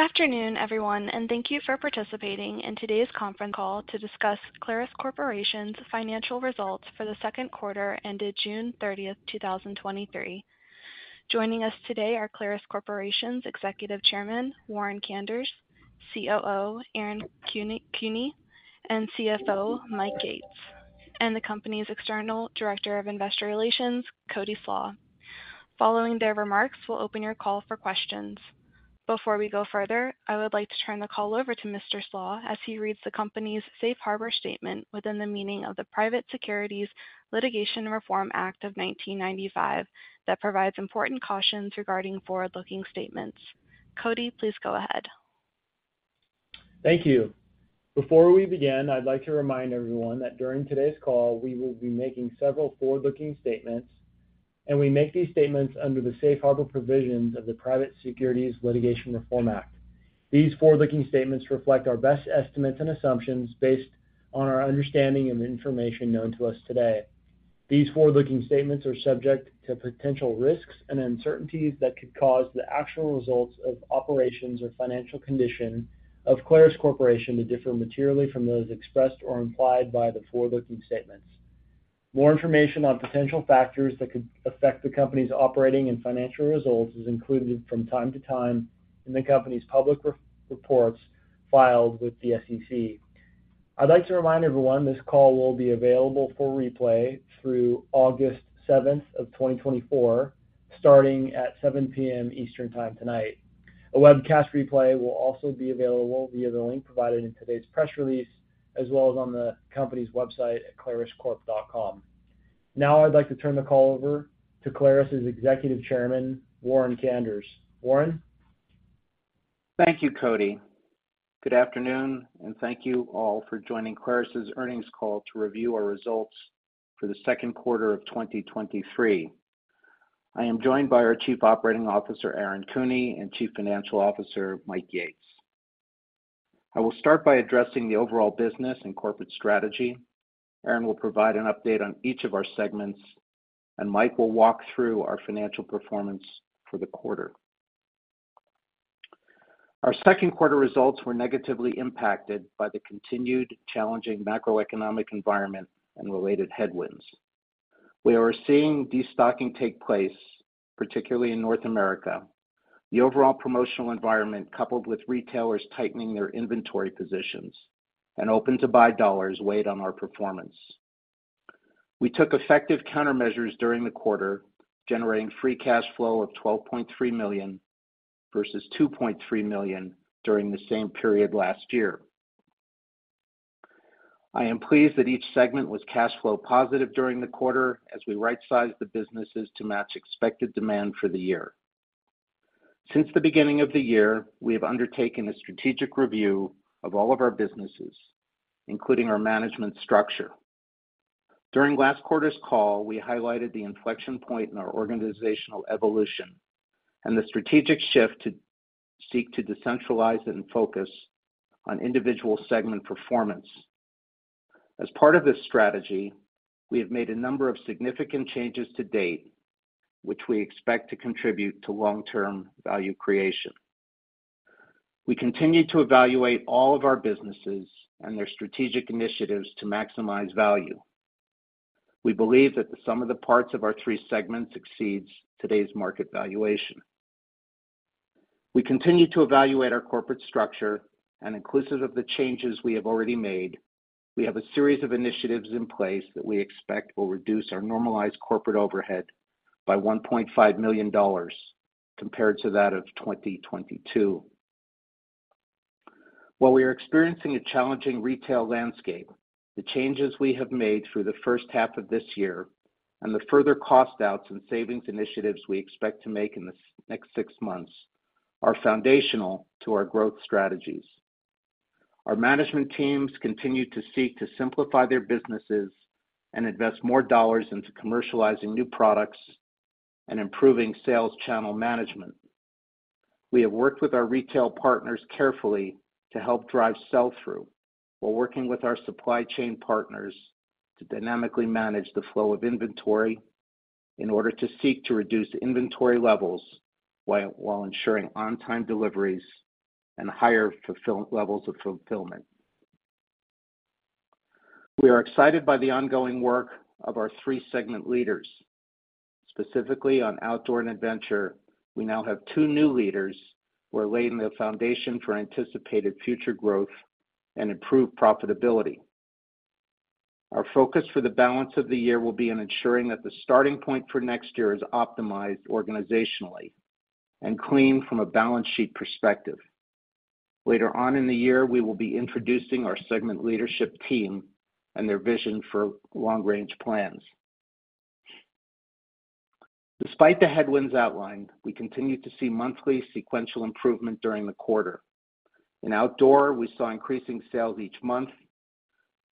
Good afternoon, everyone, and thank you for participating in today's conference call to discuss Clarus Corporation's financial results for the Q2 ended June 30, 2023. Joining us today are Clarus Corporation's Executive Chairman, Warren Kanders, COO, Aaron Cooney, and CFO, Mike Yates, and the company's External Director of Investor Relations, Cody Slaw. Following their remarks, we'll open your call for questions. Before we go further, I would like to turn the call over to Mr. Slaw as he reads the company's safe harbor statement within the meaning of the Private Securities Litigation Reform Act of 1995, that provides important cautions regarding forward-looking statements. Cody, please go ahead. Thank you. Before we begin, I'd like to remind everyone that during today's call, we will be making several forward-looking statements, and we make these statements under the safe harbor provisions of the Private Securities Litigation Reform Act. These forward-looking statements reflect our best estimates and assumptions based on our understanding and information known to us today. These forward-looking statements are subject to potential risks and uncertainties that could cause the actual results of operations or financial condition of Clarus Corporation to differ materially from those expressed or implied by the forward-looking statements. More information on potential factors that could affect the company's operating and financial results is included from time to time in the company's public reports filed with the SEC. I'd like to remind everyone, this call will be available for replay through August seventh of 2024, starting at 7:00 P.M. Eastern Time tonight. A webcast replay will also be available via the link provided in today's press release, as well as on the company's website at claruscorp.com. Now, I'd like to turn the call over to Clarus's Executive Chairman, Warren Kanders. Warren? Thank you, Cody. Good afternoon, and thank you all for joining Clarus' earnings call to review our results for the Q2 of 2023. I am joined by our Chief Operating Officer, Aaron Cooney, and Chief Financial Officer, Mike Yates. I will start by addressing the overall business and corporate strategy. Aaron will provide an update on each of our segments, and Mike will walk through our financial performance for the quarter. Our Q2 results were negatively impacted by the continued challenging macroeconomic environment and related headwinds. We are seeing destocking take place, particularly in North America. The overall promotional environment, coupled with retailers tightening their inventory positions and open-to-buy dollars, weighed on our performance. We took effective countermeasures during the quarter, generating free cash flow of $12.3 million versus $2.3 million during the same period last year. I am pleased that each segment was cash flow positive during the quarter as we rightsized the businesses to match expected demand for the year. Since the beginning of the year, we have undertaken a strategic review of all of our businesses, including our management structure. During last quarter's call, we highlighted the inflection point in our organizational evolution and the strategic shift to seek to decentralize and focus on individual segment performance. As part of this strategy, we have made a number of significant changes to date, which we expect to contribute to long-term value creation. We continue to evaluate all of our businesses and their strategic initiatives to maximize value. We believe that the sum of the parts of our three segments exceeds today's market valuation. Inclusive of the changes we have already made, we have a series of initiatives in place that we expect will reduce our normalized corporate overhead by $1.5 million compared to that of 2022. While we are experiencing a challenging retail landscape, the changes we have made through the first half of this year and the further cost outs and savings initiatives we expect to make in the next six months, are foundational to our growth strategies. Our management teams continue to seek to simplify their businesses and invest more dollars into commercializing new products and improving sales channel management. We have worked with our retail partners carefully to help drive sell-through, while working with our supply chain partners to dynamically manage the flow of inventory in order to seek to reduce inventory levels, while ensuring on-time deliveries and higher levels of fulfillment. We are excited by the ongoing work of our three segment leaders. Specifically, on outdoor and adventure, we now have two new leaders who are laying the foundation for anticipated future growth and improved profitability. Our focus for the balance of the year will be on ensuring that the starting point for next year is optimized organizationally and clean from a balance sheet perspective. Later on in the year, we will be introducing our segment leadership team and their vision for long-range plans. Despite the headwinds outlined, we continued to see monthly sequential improvement during the quarter. In Outdoor, we saw increasing sales each month,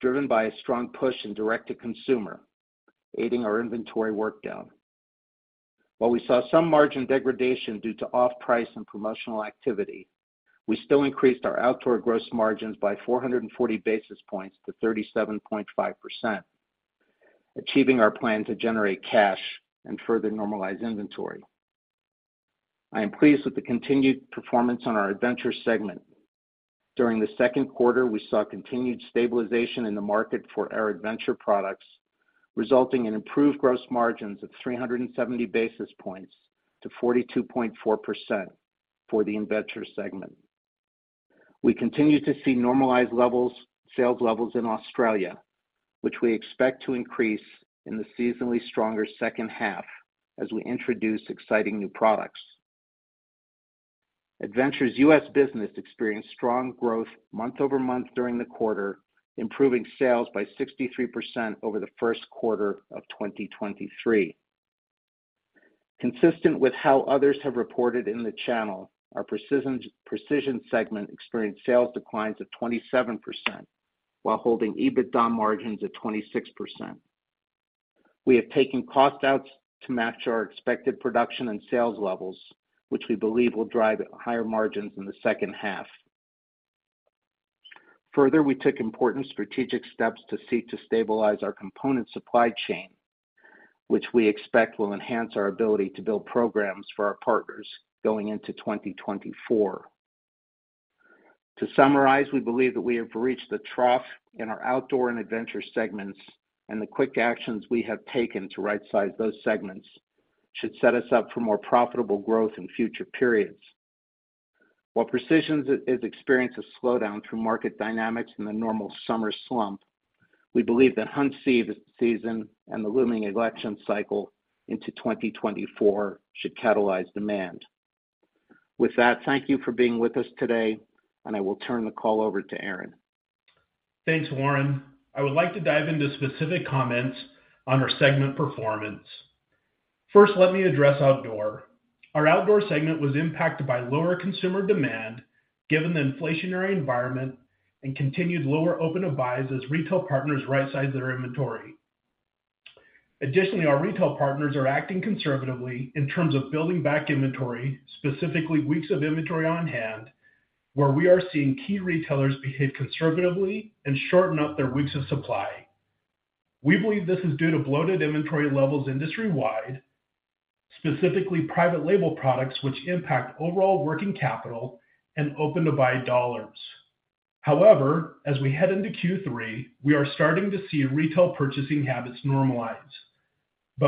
driven by a strong push in direct-to-consumer, aiding our inventory workdown. While we saw some margin degradation due to off-price and promotional activity, we still increased our Outdoor gross margins by 440 basis points to 37.5%, achieving our plan to generate cash and further normalize inventory. I am pleased with the continued performance on our adventure segment. During the Q2, we saw continued stabilization in the market for our adventure products, resulting in improved gross margins of 370 basis points to 42.4% for the adventure segment. We continue to see normalized levels, sales levels in Australia, which we expect to increase in the seasonally stronger second half as we introduce exciting new products. Adventure's U.S. business experienced strong growth month-over-month during the quarter, improving sales by 63% over the Q1 of 2023. Consistent with how others have reported in the channel, our Precision segment experienced sales declines of 27%, while holding EBITDA margins at 26%. We have taken cost outs to match our expected production and sales levels, which we believe will drive higher margins in the second half. We took important strategic steps to seek to stabilize our component supply chain, which we expect will enhance our ability to build programs for our partners going into 2024. To summarize, we believe that we have reached the trough in our outdoor and adventure segments, and the quick actions we have taken to rightsize those segments should set us up for more profitable growth in future periods. While precision is experiencing a slowdown through market dynamics in the normal summer slump, we believe that hunt season and the looming election cycle into 2024 should catalyze demand. With that, thank you for being with us today, and I will turn the call over to Aaron. Thanks, Warren. I would like to dive into specific comments on our segment performance. First, let me address outdoor. Our outdoor segment was impacted by lower consumer demand, given the inflationary environment and continued lower open-to-buy as retail partners rightsize their inventory. Additionally, our retail partners are acting conservatively in terms of building back inventory, specifically weeks of inventory on hand, where we are seeing key retailers behave conservatively and shorten up their weeks of supply. We believe this is due to bloated inventory levels industry-wide, specifically private label products, which impact overall working capital and open-to-buy dollars. As we head into Q3, we are starting to see retail purchasing habits normalize.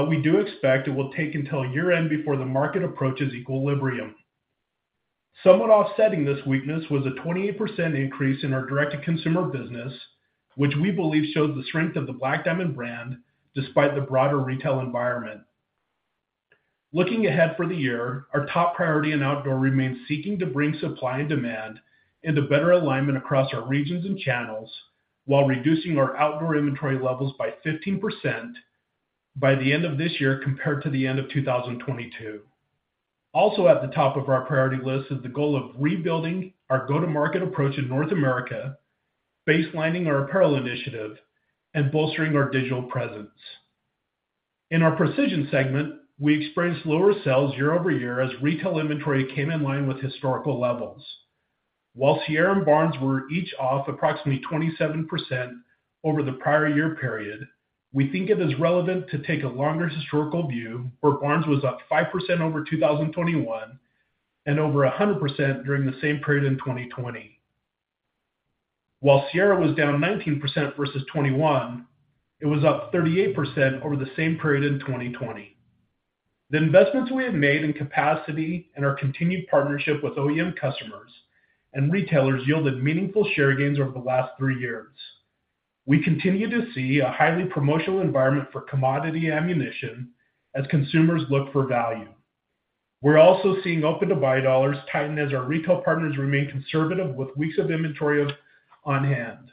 We do expect it will take until year-end before the market approaches equilibrium. Somewhat offsetting this weakness was a 28% increase in our direct-to-consumer business, which we believe showed the strength of the Black Diamond brand despite the broader retail environment. Looking ahead for the year, our top priority in outdoor remains seeking to bring supply and demand into better alignment across our regions and channels, while reducing our outdoor inventory levels by 15% by the end of this year compared to the end of 2022. Also at the top of our priority list is the goal of rebuilding our go-to-market approach in North America, baselining our apparel initiative, and bolstering our digital presence. In our Precision segment, we experienced lower sales year-over-year as retail inventory came in line with historical levels. While Sierra and Barnes were each off approximately 27% over the prior year period, we think it is relevant to take a longer historical view, where Barnes was up 5% over 2021, and over 100% during the same period in 2020. While Sierra was down 19% versus 2021, it was up 38% over the same period in 2020. The investments we have made in capacity and our continued partnership with OEM customers and retailers yielded meaningful share gains over the last three years. We continue to see a highly promotional environment for commodity ammunition as consumers look for value. We're also seeing open-to-buy dollars tighten as our retail partners remain conservative with weeks of inventory on hand.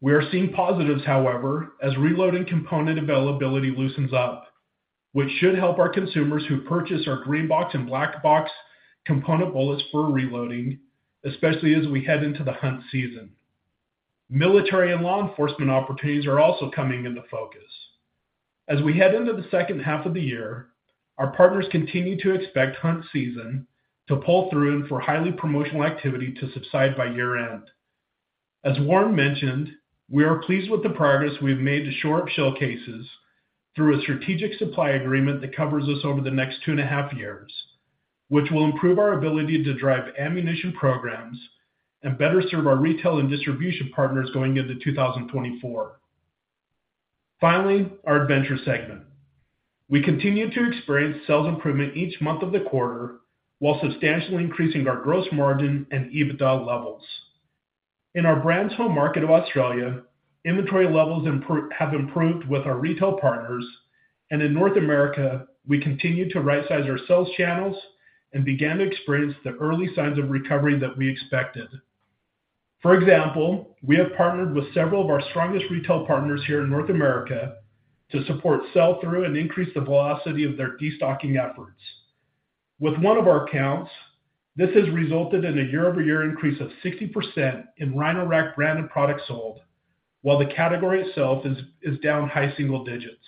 We are seeing positives, however, as reloading component availability loosens up, which should help our consumers who purchase our green box and black box component bullets for reloading, especially as we head into the hunt season. Military and law enforcement opportunities are also coming into focus. As we head into the second half of the year, our partners continue to expect hunt season to pull through and for highly promotional activity to subside by year-end. As Warren mentioned, we are pleased with the progress we've made to shore up shell cases through a strategic supply agreement that covers us over the next two and a half years, which will improve our ability to drive ammunition programs and better serve our retail and distribution partners going into 2024. Finally, our Venture segment. We continue to experience sales improvement each month of the quarter, while substantially increasing our gross margin and EBITDA levels. In our brand's home market of Australia, inventory levels have improved with our retail partners. In North America, we continue to rightsize our sales channels and began to experience the early signs of recovery that we expected. For example, we have partnered with several of our strongest retail partners here in North America to support sell-through and increase the velocity of their destocking efforts. With one of our accounts, this has resulted in a year-over-year increase of 60% in Rhino-Rack branded products sold, while the category itself is down high single digits.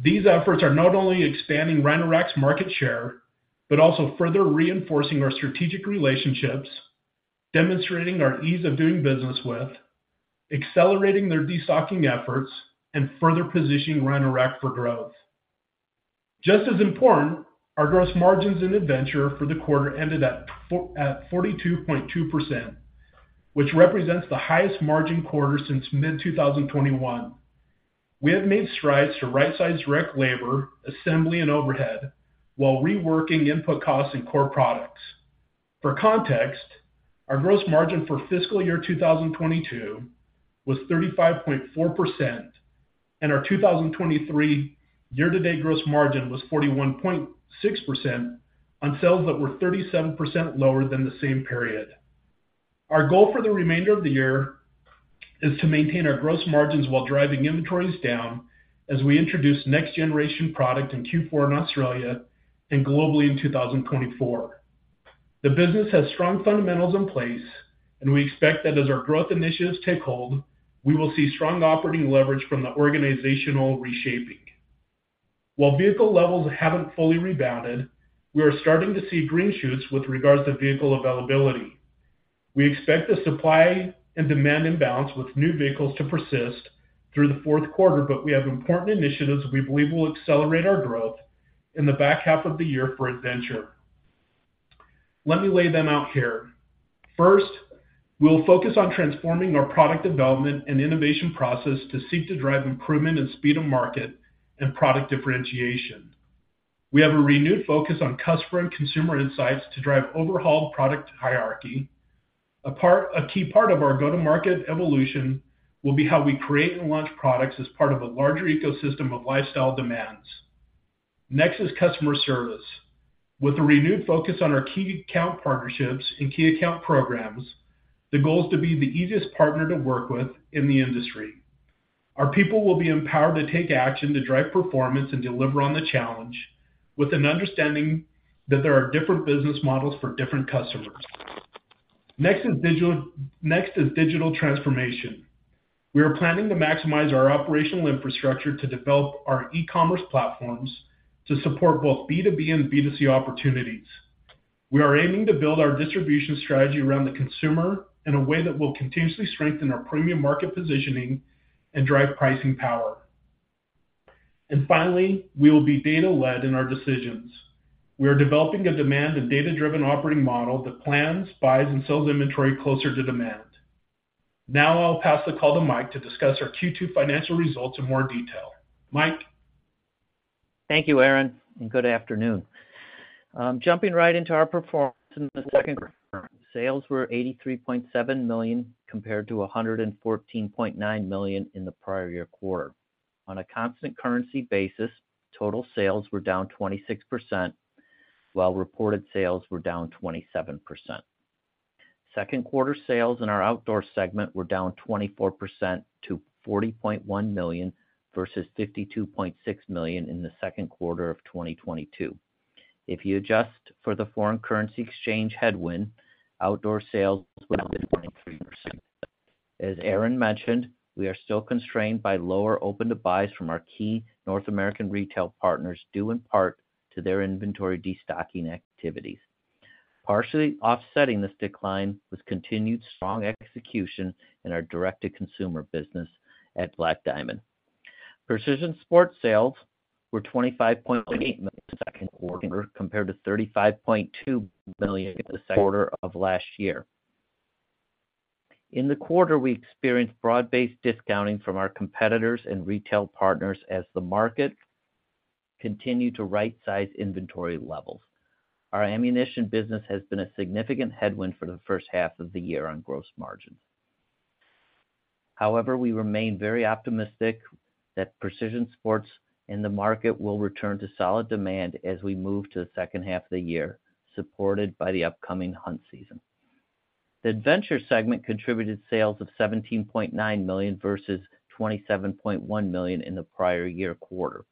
These efforts are not only expanding Rhino-Rack's market share, but also further reinforcing our strategic relationships, demonstrating our ease of doing business with, accelerating their destocking efforts, and further positioning Rhino-Rack for growth. Just as important, our gross margins in Adventure for the quarter ended at 42.2%, which represents the highest margin quarter since mid-2021. We have made strides to right-size rack labor, assembly, and overhead, while reworking input costs and core products. For context, our gross margin for fiscal year 2022 was 35.4%, and our 2023 year-to-date gross margin was 41.6% on sales that were 37% lower than the same period. Our goal for the remainder of the year is to maintain our gross margins while driving inventories down as we introduce next generation product in Q4 in Australia and globally in 2024. The business has strong fundamentals in place, and we expect that as our growth initiatives take hold, we will see strong operating leverage from the organizational reshaping. While vehicle levels haven't fully rebounded, we are starting to see green shoots with regards to vehicle availability. We expect the supply and demand imbalance with new vehicles to persist through the Q4, but we have important initiatives we believe will accelerate our growth in the back half of the year for Adventure. Let me lay them out here. First, we'll focus on transforming our product development and innovation process to seek to drive improvement in speed of market and product differentiation. We have a renewed focus on customer and consumer insights to drive overhauled product hierarchy. A key part of our go-to-market evolution will be how we create and launch products as part of a larger ecosystem of lifestyle demands. Next is customer service. With a renewed focus on our key account partnerships and key account programs, the goal is to be the easiest partner to work with in the industry. Our people will be empowered to take action to drive performance and deliver on the challenge with an understanding that there are different business models for different customers. Next is digital, next is digital transformation. We are planning to maximize our operational infrastructure to develop our e-commerce platforms to support both B2B and B2C opportunities. We are aiming to build our distribution strategy around the consumer in a way that will continuously strengthen our premium market positioning and drive pricing power. Finally, we will be data-led in our decisions. We are developing a demand and data-driven operating model that plans, buys, and sells inventory closer to demand. Now, I'll pass the call to Mike to discuss our Q2 financial results in more detail. Mike? Thank you, Aaron, and good afternoon. Jumping right into our performance in the Q2. Sales were $83.7 million, compared to $114.9 million in the prior year quarter. On a constant currency basis, total sales were down 26%, while reported sales were down 27%. Q2 sales in our outdoor segment were down 24% to $40.1 million, versus $52.6 million in the Q2 of 2022. If you adjust for the foreign currency exchange headwind, outdoor sales would have been 23%. As Aaron mentioned, we are still constrained by lower open-to-buys from our key North American retail partners, due in part to their inventory destocking activities. Partially offsetting this decline was continued strong execution in our direct-to-consumer business at Black Diamond. Precision Sports sales were $25.8 million 2Q, compared to $35.2 million in the quarter of last year. In the quarter, we experienced broad-based discounting from our competitors and retail partners as the market continued to rightsize inventory levels. Our ammunition business has been a significant headwind for the first half of the year on gross margin. We remain very optimistic that Precision Sports in the market will return to solid demand as we move to the second half of the year, supported by the upcoming hunt season. The Venture segment contributed sales of $17.9 million versus $27.1 million in the prior year quarter.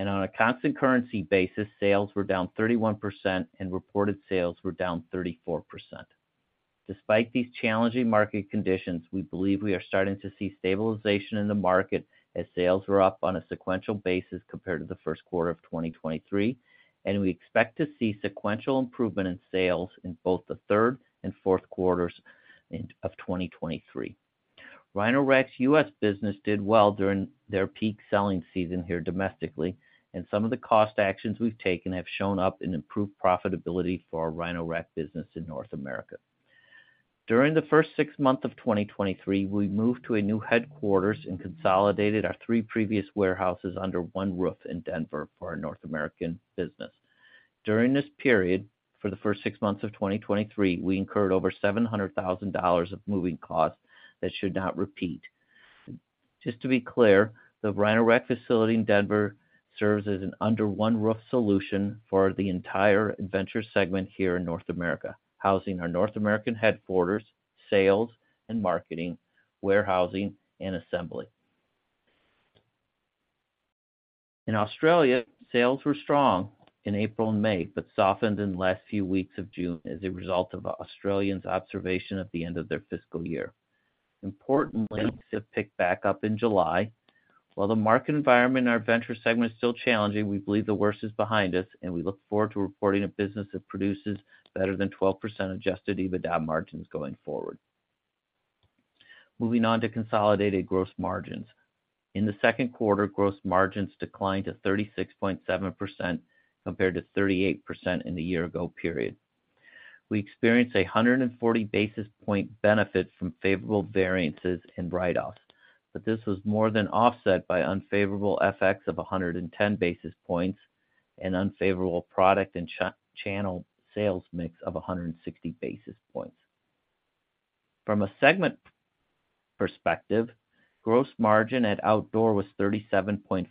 On a constant currency basis, sales were down 31% and reported sales were down 34%. Despite these challenging market conditions, we believe we are starting to see stabilization in the market as sales were up on a sequential basis compared to the Q1 of 2023. We expect to see sequential improvement in sales in both the third and Q4 of 2023. Rhino-Rack's U.S. business did well during their peak selling season here domestically. Some of the cost actions we've taken have shown up in improved profitability for our Rhino-Rack business in North America. During the first six months of 2023, we moved to a new headquarters and consolidated our three previous warehouses under one roof in Denver for our North American business. During this period, for the first six months of 2023, we incurred over $700,000 of moving costs that should not repeat. Just to be clear, the Rhino-Rack facility in Denver serves as an under-one-roof solution for the entire Adventure segment here in North America, housing our North American headquarters, sales and marketing, warehousing, and assembly. In Australia, sales were strong in April and May, but softened in the last few weeks of June as a result of Australians' observation at the end of their fiscal year. Importantly, have picked back up in July. While the market environment in our Venture segment is still challenging, we believe the worst is behind us, and we look forward to reporting a business that produces better than 12% Adjusted EBITDA margins going forward. Moving on to consolidated gross margins. In the Q2, gross margins declined to 36.7% compared to 38% in the year ago period. We experienced 140 basis point benefit from favorable variances and write-offs. This was more than offset by unfavorable FX of 110 basis points and unfavorable product and channel sales mix of 160 basis points. From a segment perspective, gross margin at Outdoor was 37.5%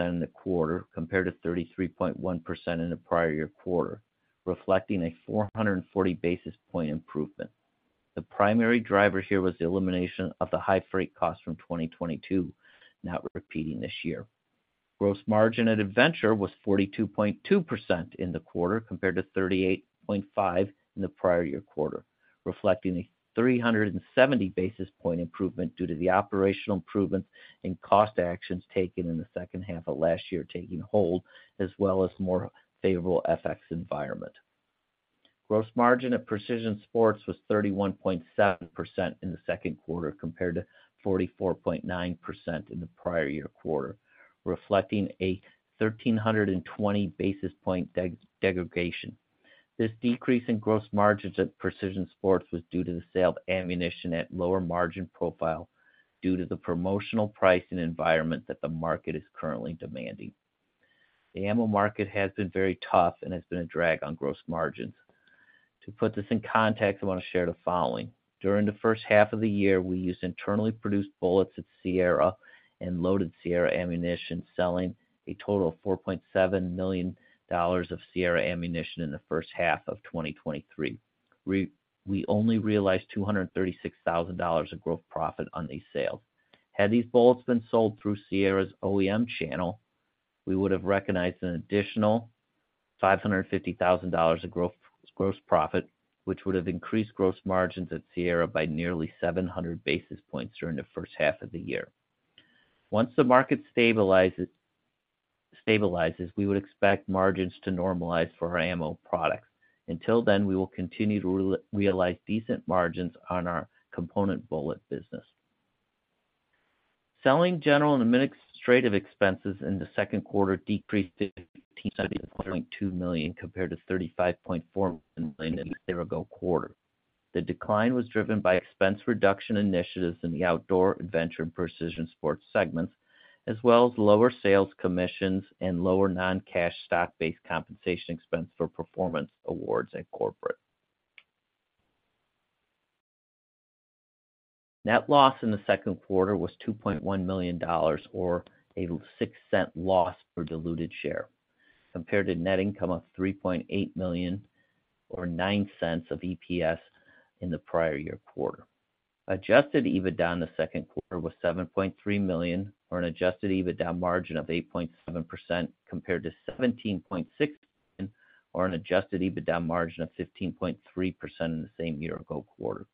in the quarter, compared to 33.1% in the prior year quarter, reflecting a 440 basis point improvement. The primary driver here was the elimination of the high freight costs from 2022, not repeating this year. Gross margin at Adventure was 42.2% in the quarter, compared to 38.5% in the prior year quarter, reflecting a 370 basis point improvement due to the operational improvements and cost actions taken in the second half of last year taking hold, as well as more favorable FX environment. Gross margin at Precision Sports was 31.7% in the Q2, compared to 44.9% in the prior year quarter, reflecting a 1,320 basis point degradation. This decrease in gross margins at Precision Sports was due to the sale of ammunition at lower margin profile, due to the promotional pricing environment that the market is currently demanding. The ammo market has been very tough and has been a drag on gross margins. To put this in context, I want to share the following. During the first half of the year, we used internally produced bullets at Sierra and loaded Sierra ammunition, selling a total of $4.7 million of Sierra ammunition in the first half of 2023. We only realized $236,000 of gross profit on these sales. Had these bullets been sold through Sierra's OEM channel, we would have recognized an additional $550,000 of gross profit, which would have increased gross margins at Sierra by nearly 700 basis points during the first half of the year. Once the market stabilizes, we would expect margins to normalize for our ammo products. Until then, we will continue to realize decent margins on our component bullet business. Selling, general, and administrative expenses in the Q2 decreased to $17.2 million, compared to $35.4 million in the year-ago quarter. The decline was driven by expense reduction initiatives in the outdoor, adventure, and Precision Sports segments, as well as lower sales commissions and lower non-cash stock-based compensation expense for performance awards at corporate. Net loss in the Q2 was $2.1 million, or a $0.06 loss per diluted share, compared to net income of $3.8 million, or $0.09 of EPS in the prior year quarter. Adjusted EBITDA in the Q2 was $7.3 million, or an Adjusted EBITDA margin of 8.7%, compared to $17.6 million, or an Adjusted EBITDA margin of 15.3% in the same year-ago quarter.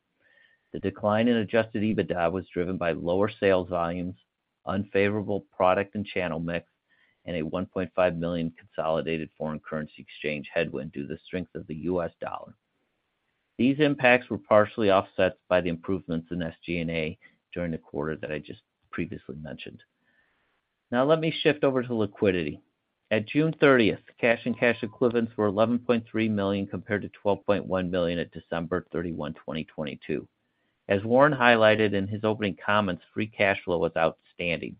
The decline in Adjusted EBITDA was driven by lower sales volumes, unfavorable product and channel mix, and a $1.5 million consolidated foreign currency exchange headwind due to the strength of the US dollar. These impacts were partially offset by the improvements in SG&A during the quarter that I just previously mentioned. Let me shift over to liquidity. At June 30th, cash and cash equivalents were $11.3 million, compared to $12.1 million at December 31, 2022. As Warren highlighted in his opening comments, free cash flow was outstanding.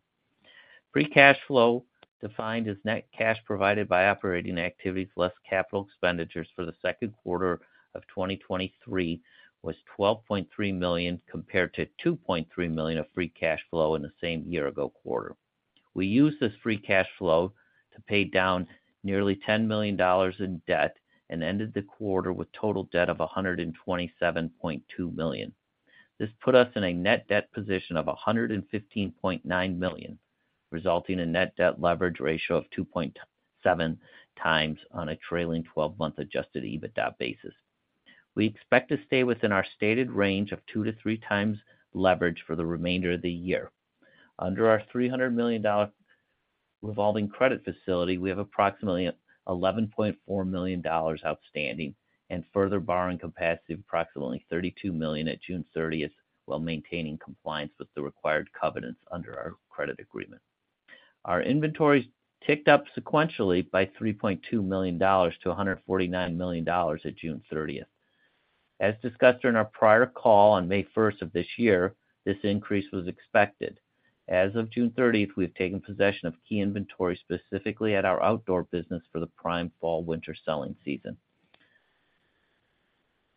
Free cash flow, defined as net cash provided by operating activities less capital expenditures for the Q2 of 2023, was $12.3 million, compared to $2.3 million of free cash flow in the same year-ago quarter. We used this free cash flow to pay down nearly $10 million in debt and ended the quarter with total debt of $127.2 million. This put us in a net debt position of $115.9 million, resulting in net debt leverage ratio of 2.7x on a trailing twelve-month Adjusted EBITDA basis. We expect to stay within our stated range of 2-3x leverage for the remainder of the year. Under our $300 million revolving credit facility, we have approximately $11.4 million outstanding and further borrowing capacity of approximately $32 million at June 30th, while maintaining compliance with the required covenants under our credit agreement. Our inventories ticked up sequentially by $3.2 million to $149 million at June 30th. As discussed in our prior call on May first of this year, this increase was expected. As of June thirtieth, we've taken possession of key inventories, specifically at our outdoor business, for the prime fall-winter selling season.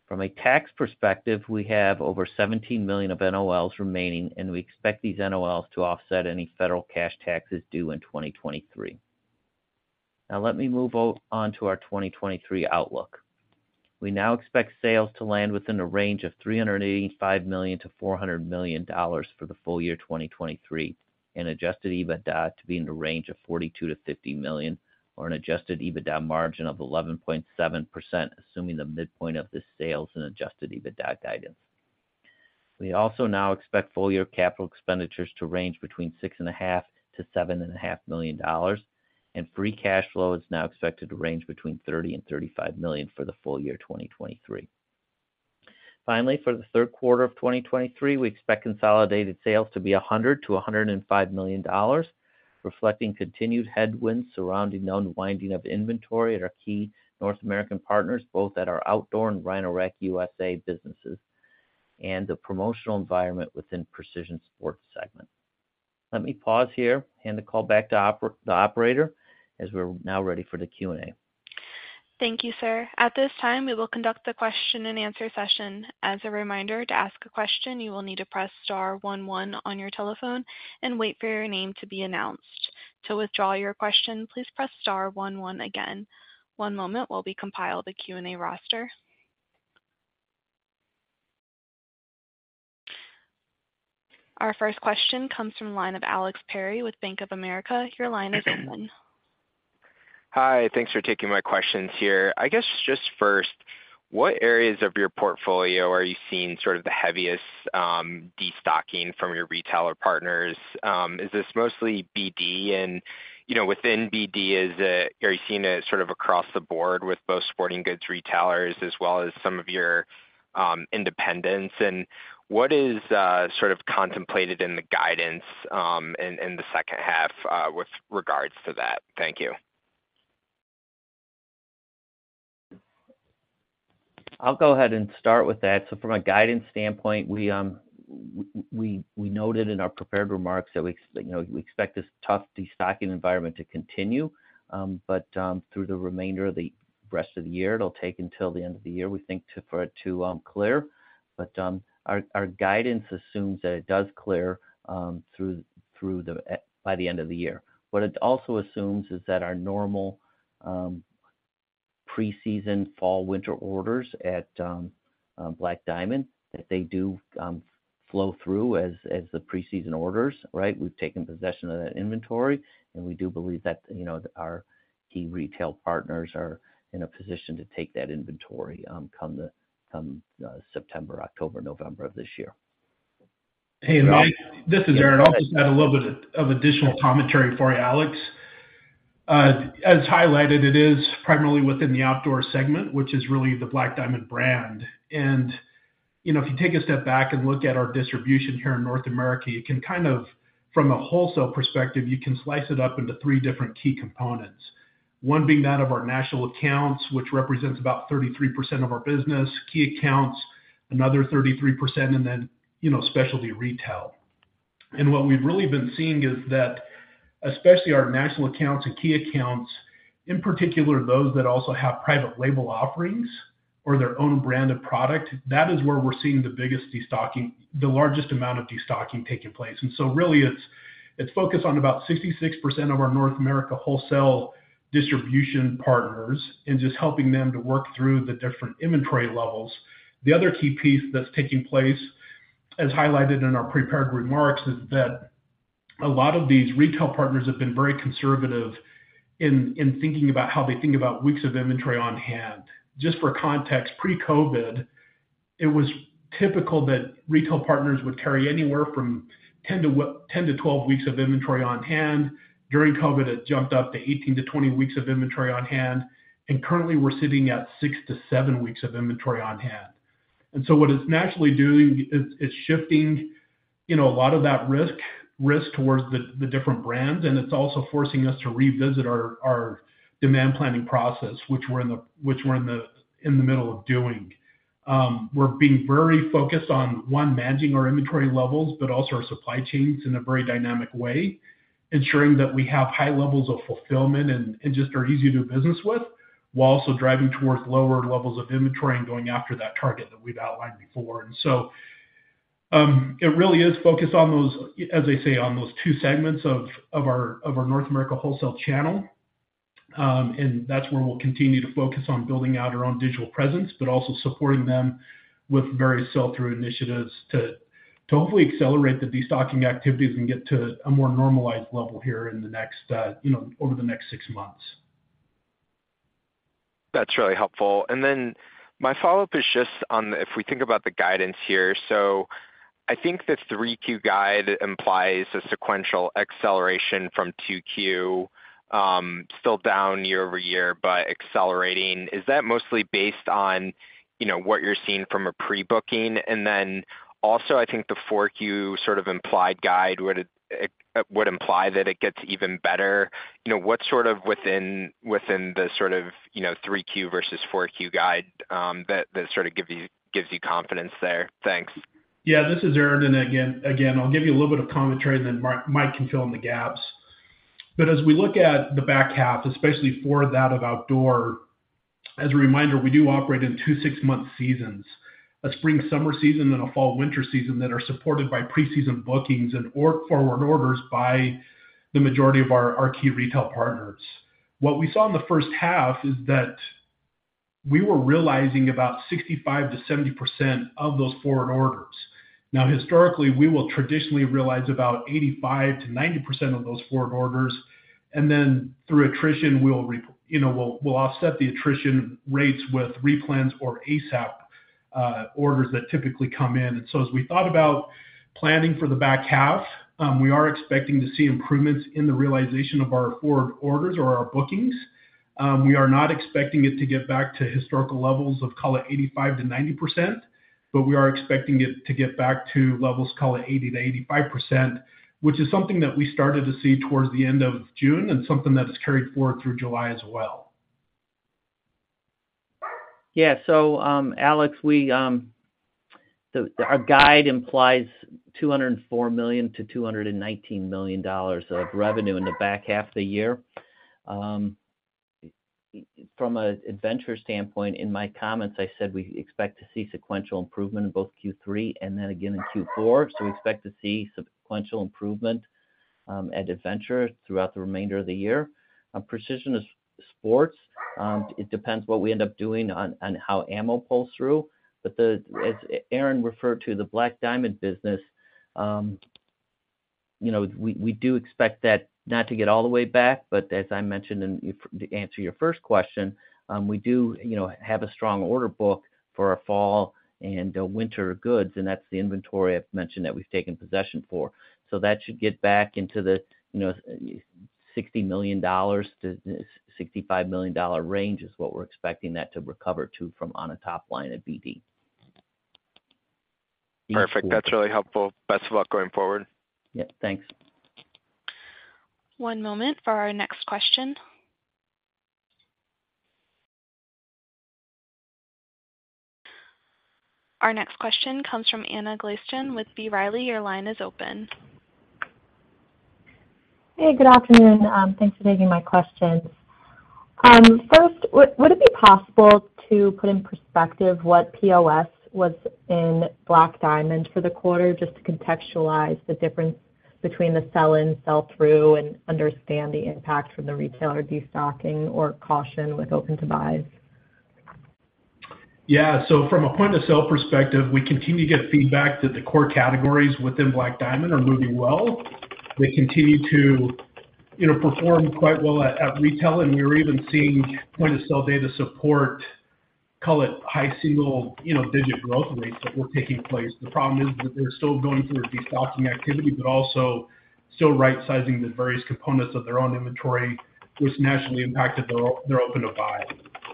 From a tax perspective, we have over $17 million of NOLs remaining, and we expect these NOLs to offset any federal cash taxes due in 2023. Let me move on to our 2023 outlook. We now expect sales to land within a range of $385 million to 400 million for the full year 2023, and Adjusted EBITDA to be in the range of $42 million to 50 million, or an Adjusted EBITDA margin of 11.7%, assuming the midpoint of the sales and Adjusted EBITDA guidance.... We also now expect full year capital expenditures to range between $6.5 million to 7.5 million, and free cash flow is now expected to range between $30 million to 35 million for the full year 2023. Finally, for the Q3 of 2023, we expect consolidated sales to be $100 million to 105 million, reflecting continued headwinds surrounding the unwinding of inventory at our key North American partners, both at our outdoor and Rhino-Rack USA businesses, and the promotional environment within Precision Sports segment. Let me pause here, hand the call back to the operator, as we're now ready for the Q&A. Thank you, sir. At this time, we will conduct the question-and-answer session. As a reminder, to ask a question, you will need to press star 11 on your telephone and wait for your name to be announced. To withdraw your question, please press star 11 again. One moment while we compile the Q&A roster. Our first question comes from the line of Alex Perry with Bank of America. Your line is open. Hi, thanks for taking my questions here. I guess just first, what areas of your portfolio are you seeing sort of the heaviest, destocking from your retailer partners? Is this mostly BD? You know, within BD, are you seeing it sort of across the board with both sporting goods retailers as well as some of your independents? What is sort of contemplated in the guidance in the second half with regards to that? Thank you. I'll go ahead and start with that. From a guidance standpoint, we, we noted in our prepared remarks that we, you know, we expect this tough destocking environment to continue, but through the remainder of the rest of the year, it'll take until the end of the year, we think, to, for it to clear. Our guidance assumes that it does clear, through, through the by the end of the year. What it also assumes is that our normal, preseason fall/winter orders at Black Diamond, that they do flow through as, as the preseason orders, right? We've taken possession of that inventory, and we do believe that, you know, our key retail partners are in a position to take that inventory, come the, come September, October, November of this year. Hey, Mike, this is Aaron. I'll just add a little bit of additional commentary for you, Alex. As highlighted, it is primarily within the outdoor segment, which is really the Black Diamond brand. You know, if you take a step back and look at our distribution here in North America, you can kind of, from a wholesale perspective, you can slice it up into three different key components. One being that of our national accounts, which represents about 33% of our business, key accounts, another 33%, and then, you know, specialty retail. What we've really been seeing is that especially our national accounts and key accounts, in particular, those that also have private label offerings or their own brand of product, that is where we're seeing the biggest destocking, the largest amount of destocking taking place. So really, it's, it's focused on about 66% of our North America wholesale distribution partners and just helping them to work through the different inventory levels. The other key piece that's taking place, as highlighted in our prepared remarks, is that a lot of these retail partners have been very conservative in, in thinking about how they think about weeks of inventory on hand. Just for context, pre-COVID, it was typical that retail partners would carry anywhere from 10-12 weeks of inventory on hand. During COVID, it jumped up to 18-20 weeks of inventory on hand, and currently, we're sitting at 6-7 weeks of inventory on hand. What it's naturally doing is, is shifting, you know, a lot of that risk, risk towards the, the different brands, and it's also forcing us to revisit our, our demand planning process, which we're in the, in the middle of doing. We're being very focused on, one, managing our inventory levels, but also our supply chains in a very dynamic way, ensuring that we have high levels of fulfillment and, and just are easy to do business with, while also driving towards lower levels of inventory and going after that target that we've outlined before. It really is focused on those, as I say, on those two segments of, of our, of our North America wholesale channel, and that's where we'll continue to focus on building out our own digital presence, but also supporting them with various sell-through initiatives to, to hopefully accelerate the destocking activities and get to a more normalized level here in the next, you know, over the next six months. That's really helpful. My follow-up is just on if we think about the guidance here. I think the 3Q guide implies a sequential acceleration from 2Q, still down year-over-year, but accelerating. Is that mostly based on, you know, what you're seeing from a pre-booking? Also, I think the 4Q sort of implied guide, would imply that it gets even better. You know, what sort of within the sort of, you know, 3Q versus 4Q guide, that sort of gives you confidence there? Thanks. Yeah, this is Aaron, and again, I'll give you a little bit of commentary, and then Mike can fill in the gaps. As we look at the back half, especially for that of outdoor, as a reminder, we do operate in 2 six-month seasons: a spring, summer season, and a fall, winter season that are supported by preseason bookings and or forward orders by the majority of our key retail partners. What we saw in the first half is we were realizing about 65 to 70% of those forward orders. Now, historically, we will traditionally realize about 85 to 90% of those forward orders, and then through attrition, we'll, you know, we'll offset the attrition rates with replans or ASAP orders that typically come in. As we thought about planning for the back half, we are expecting to see improvements in the realization of our forward orders or our bookings. We are not expecting it to get back to historical levels of call it 85 to 90%, but we are expecting it to get back to levels, call it 80 to 85%, which is something that we started to see towards the end of June and something that has carried forward through July as well. Yeah. Alex, we, our guide implies $204 million to 219 million of revenue in the back half of the year. From an Adventure standpoint, in my comments, I said we expect to see sequential improvement in both Q3 and then again in Q4. We expect to see sequential improvement at Adventure throughout the remainder of the year. On Precision Sports, it depends what we end up doing on, on how ammo pulls through. As Aaron referred to, the Black Diamond business, you know, we, we do expect that not to get all the way back, but as I mentioned in, to answer your first question, we do, you know, have a strong order book for our fall and winter goods, and that's the inventory I've mentioned that we've taken possession for. That should get back into the, you know, $60 million to 65 million range is what we're expecting that to recover to from on a top line at BD. Perfect. That's really helpful. Best of luck going forward. Yeah, thanks. One moment for our next question. Our next question comes from Anna Glaessner with B. Riley. Your line is open. Hey, good afternoon. Thanks for taking my questions. First, would it be possible to put in perspective what POS was in Black Diamond for the quarter, just to contextualize the difference between the sell-in, sell-through, and understand the impact from the retailer destocking or caution with open-to-buys? From a point-of-sale perspective, we continue to get feedback that the core categories within Black Diamond are moving well. They continue to, you know, perform quite well at, at retail, and we're even seeing point-of-sale data support, call it, high single, you know, digit growth rates that were taking place. The problem is that they're still going through a destocking activity, but also still rightsizing the various components of their own inventory, which naturally impacted their, their open-to-buy.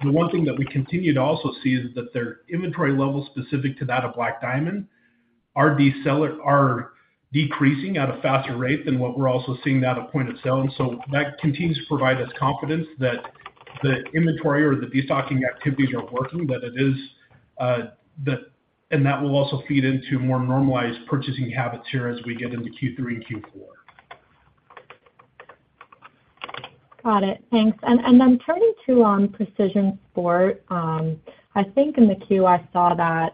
The one thing that we continue to also see is that their inventory levels specific to that of Black Diamond are decreasing at a faster rate than what we're also seeing out of point of sale. That continues to provide us confidence that the inventory or the destocking activities are working, but it is, and that will also feed into more normalized purchasing habits here as we get into Q3 and Q4. Got it. Thanks. Then turning to Precision Sport, I think in the Q1 saw that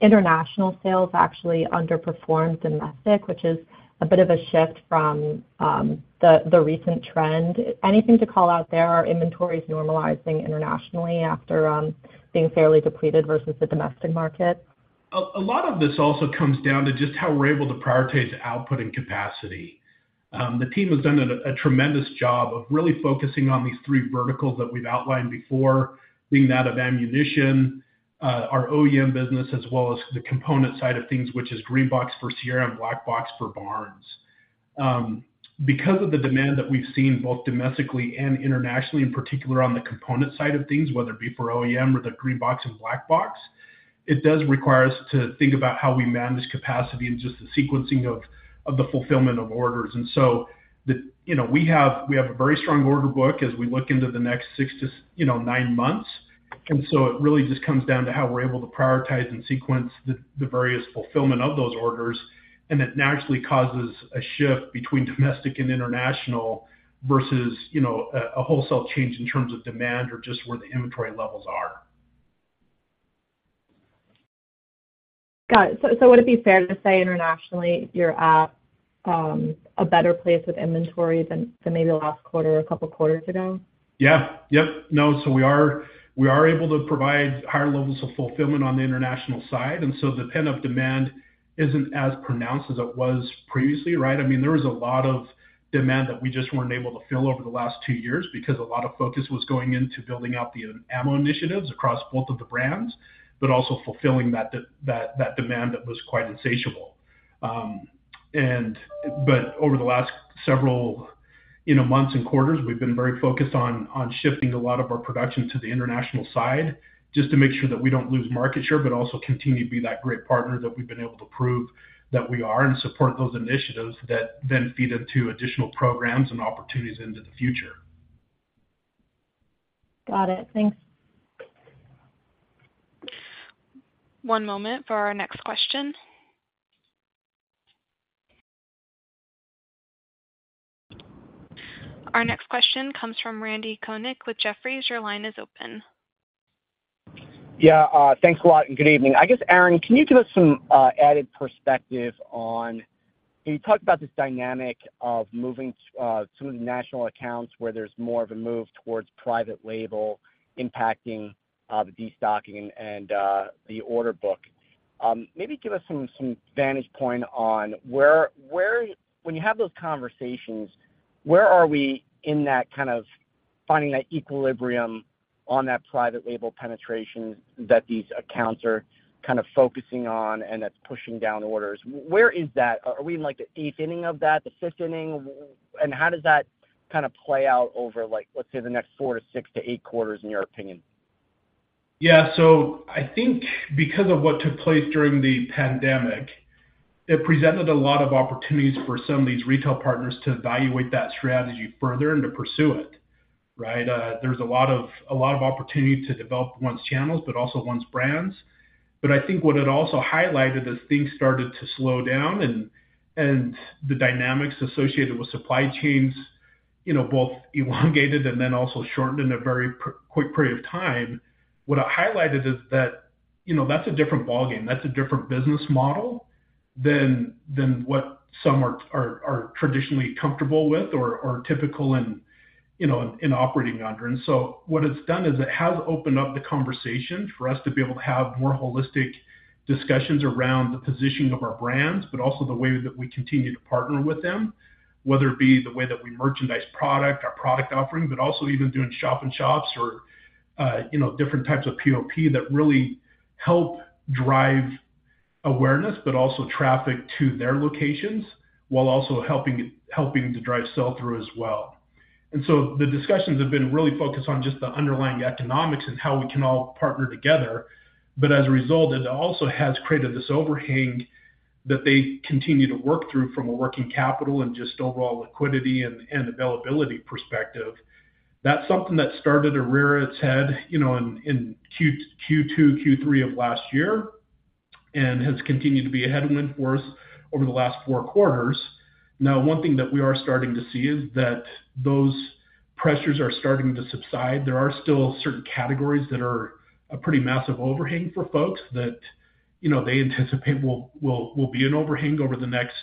international sales actually underperformed domestic, which is a bit of a shift from the recent trend. Anything to call out there? Are inventories normalizing internationally after being fairly depleted versus the domestic market? A lot of this also comes down to just how we're able to prioritize output and capacity. The team has done a tremendous job of really focusing on these three verticals that we've outlined before, being that of ammunition, our OEM business, as well as the component side of things, which is green box for Sierra and black box for Barnes. Because of the demand that we've seen both domestically and internationally, in particular on the component side of things, whether it be for OEM or the green box and black box, it does require us to think about how we manage capacity and just the sequencing of the fulfillment of orders. The... You know, we have, we have a very strong order book as we look into the next 6 to, you know, 9 months, and so it really just comes down to how we're able to prioritize and sequence the, the various fulfillment of those orders, and it naturally causes a shift between domestic and international versus, you know, a wholesale change in terms of demand or just where the inventory levels are. Got it. So would it be fair to say internationally, you're at a better place with inventory than, than maybe last quarter or a couple quarters ago? Yeah. Yep. No, we are, we are able to provide higher levels of fulfillment on the international side, the pent-up demand isn't as pronounced as it was previously, right? I mean, there was a lot of demand that we just weren't able to fill over the last two years because a lot of focus was going into building out the ammo initiatives across both of the brands, also fulfilling that demand that was quite insatiable. Over the last several, you know, months and quarters, we've been very focused on shifting a lot of our production to the international side, just to make sure that we don't lose market share, but also continue to be that great partner that we've been able to prove that we are and support those initiatives that then feed into additional programs and opportunities into the future. Got it. Thanks. One moment for our next question. Our next question comes from Randy Konik with Jefferies. Your line is open. Yeah, thanks a lot, good evening. I guess, Aaron, can you give us some added perspective on? Can you talk about this dynamic of moving some of the national accounts where there's more of a move towards private label impacting the destocking and the order book? Maybe give us some vantage point on where, when you have those conversations, where are we in that kind of finding that equilibrium on that private label penetration that these accounts are kind of focusing on, and that's pushing down orders? Where is that? Are we in, like, the eighth inning of that, the fifth inning? How does that kind of play out over, like, let's say, the next 4 to 6 to 8 quarters, in your opinion? Yeah. I think because of what took place during the pandemic, it presented a lot of opportunities for some of these retail partners to evaluate that strategy further and to pursue it, right? There's a lot of, a lot of opportunity to develop one's channels, but also one's brands. I think what it also highlighted, as things started to slow down and, and the dynamics associated with supply chains, you know, both elongated and then also shortened in a very quick period of time. What it highlighted is that, you know, that's a different ballgame. That's a different business model than, than what some are, are, are traditionally comfortable with or, or typical in, you know, in operating under. What it's done is it has opened up the conversation for us to be able to have more holistic discussions around the positioning of our brands, but also the way that we continue to partner with them, whether it be the way that we merchandise product, our product offerings, but also even doing shop and shops or, you know, different types of POP that really help drive awareness, but also traffic to their locations, while also helping to drive sell-through as well. The discussions have been really focused on just the underlying economics and how we can all partner together. As a result, it also has created this overhang that they continue to work through from a working capital and just overall liquidity and, and availability perspective. That's something that started to rear its head, you know, in, in Q2, Q2, Q3 of last year, and has continued to be a headwind for us over the last four quarters. Now, one thing that we are starting to see is that those pressures are starting to subside. There are still certain categories that are a pretty massive overhang for folks that, you know, they anticipate will, will, will be an overhang over the next,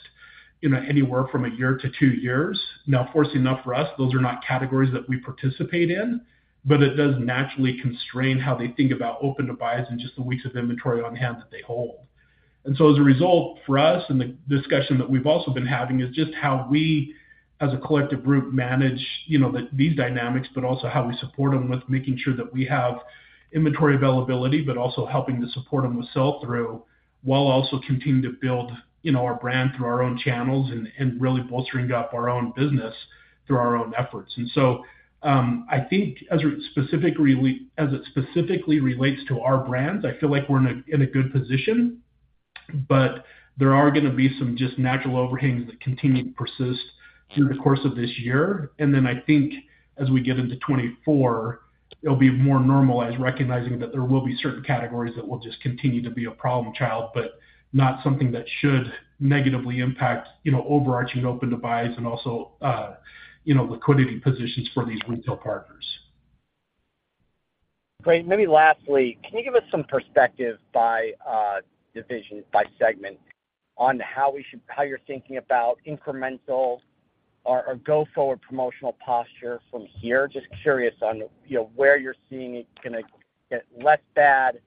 you know, anywhere from a year to two years. Now, fortunately enough for us, those are not categories that we participate in, but it does naturally constrain how they think about open-to-buys and just the weeks of inventory on hand that they hold. As a result, for us, and the discussion that we've also been having, is just how we as a collective group manage, you know, these dynamics, but also how we support them with making sure that we have inventory availability, but also helping to support them with sell-through, while also continuing to build, you know, our brand through our own channels and, and really bolstering up our own business through our own efforts. I think as it specifically, as it specifically relates to our brands, I feel like we're in a, in a good position, but there are gonna be some just natural overhangs that continue to persist through the course of this year. Then I think as we get into 2024, it'll be more normalized, recognizing that there will be certain categories that will just continue to be a problem child, but not something that should negatively impact, you know, overarching open-to-buy and also, you know, liquidity positions for these retail partners. Great. Maybe lastly, can you give us some perspective by division, by segment on how you're thinking about incremental or, or go forward promotional posture from here? Just curious on, you know, where you're seeing it gonna get less bad,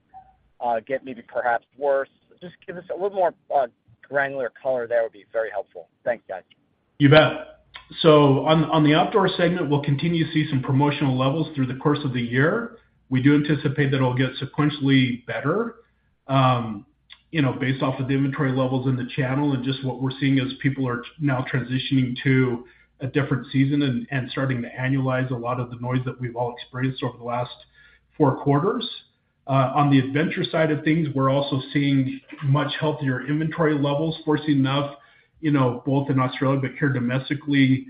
get maybe perhaps worse. Just give us a little more granular color there would be very helpful. Thanks, guys. You bet. On, on the outdoor segment, we'll continue to see some promotional levels through the course of the year. We do anticipate that it'll get sequentially better, you know, based off of the inventory levels in the channel and just what we're seeing as people are now transitioning to a different season and, and starting to annualize a lot of the noise that we've all experienced over the last four quarters. On the adventure side of things, we're also seeing much healthier inventory levels. Fortunately enough, you know, both in Australia, but here domestically,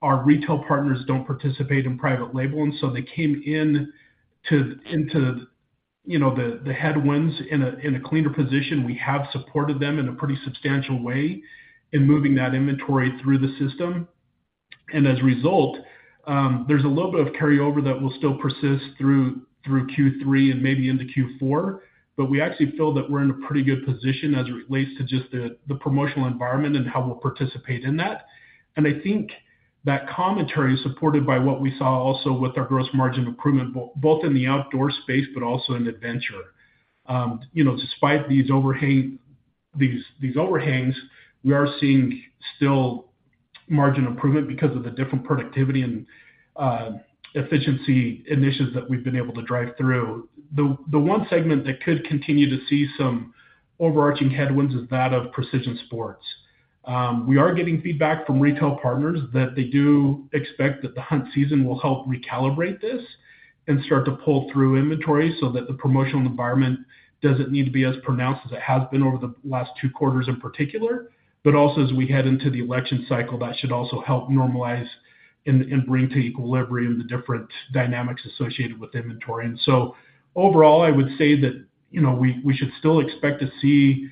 our retail partners don't participate in private labeling, so they came in to, into, you know, the, the headwinds in a, in a cleaner position. We have supported them in a pretty substantial way in moving that inventory through the system. As a result, there's a little bit of carryover that will still persist through, through Q3 and maybe into Q4, but we actually feel that we're in a pretty good position as it relates to just the, the promotional environment and how we'll participate in that. I think that commentary is supported by what we saw also with our gross margin improvement, both in the outdoor space, but also in adventure. You know, despite these overhang- these, these overhangs, we are seeing still margin improvement because of the different productivity and efficiency initiatives that we've been able to drive through. The, the one segment that could continue to see some overarching headwinds is that of Precision Sports. We are getting feedback from retail partners that they do expect that the hunt season will help recalibrate this and start to pull through inventory so that the promotional environment doesn't need to be as pronounced as it has been over the last two quarters in particular. As we head into the election cycle, that should also help normalize and bring to equilibrium the different dynamics associated with inventory. Overall, I would say that, you know, we, we should still expect to see-...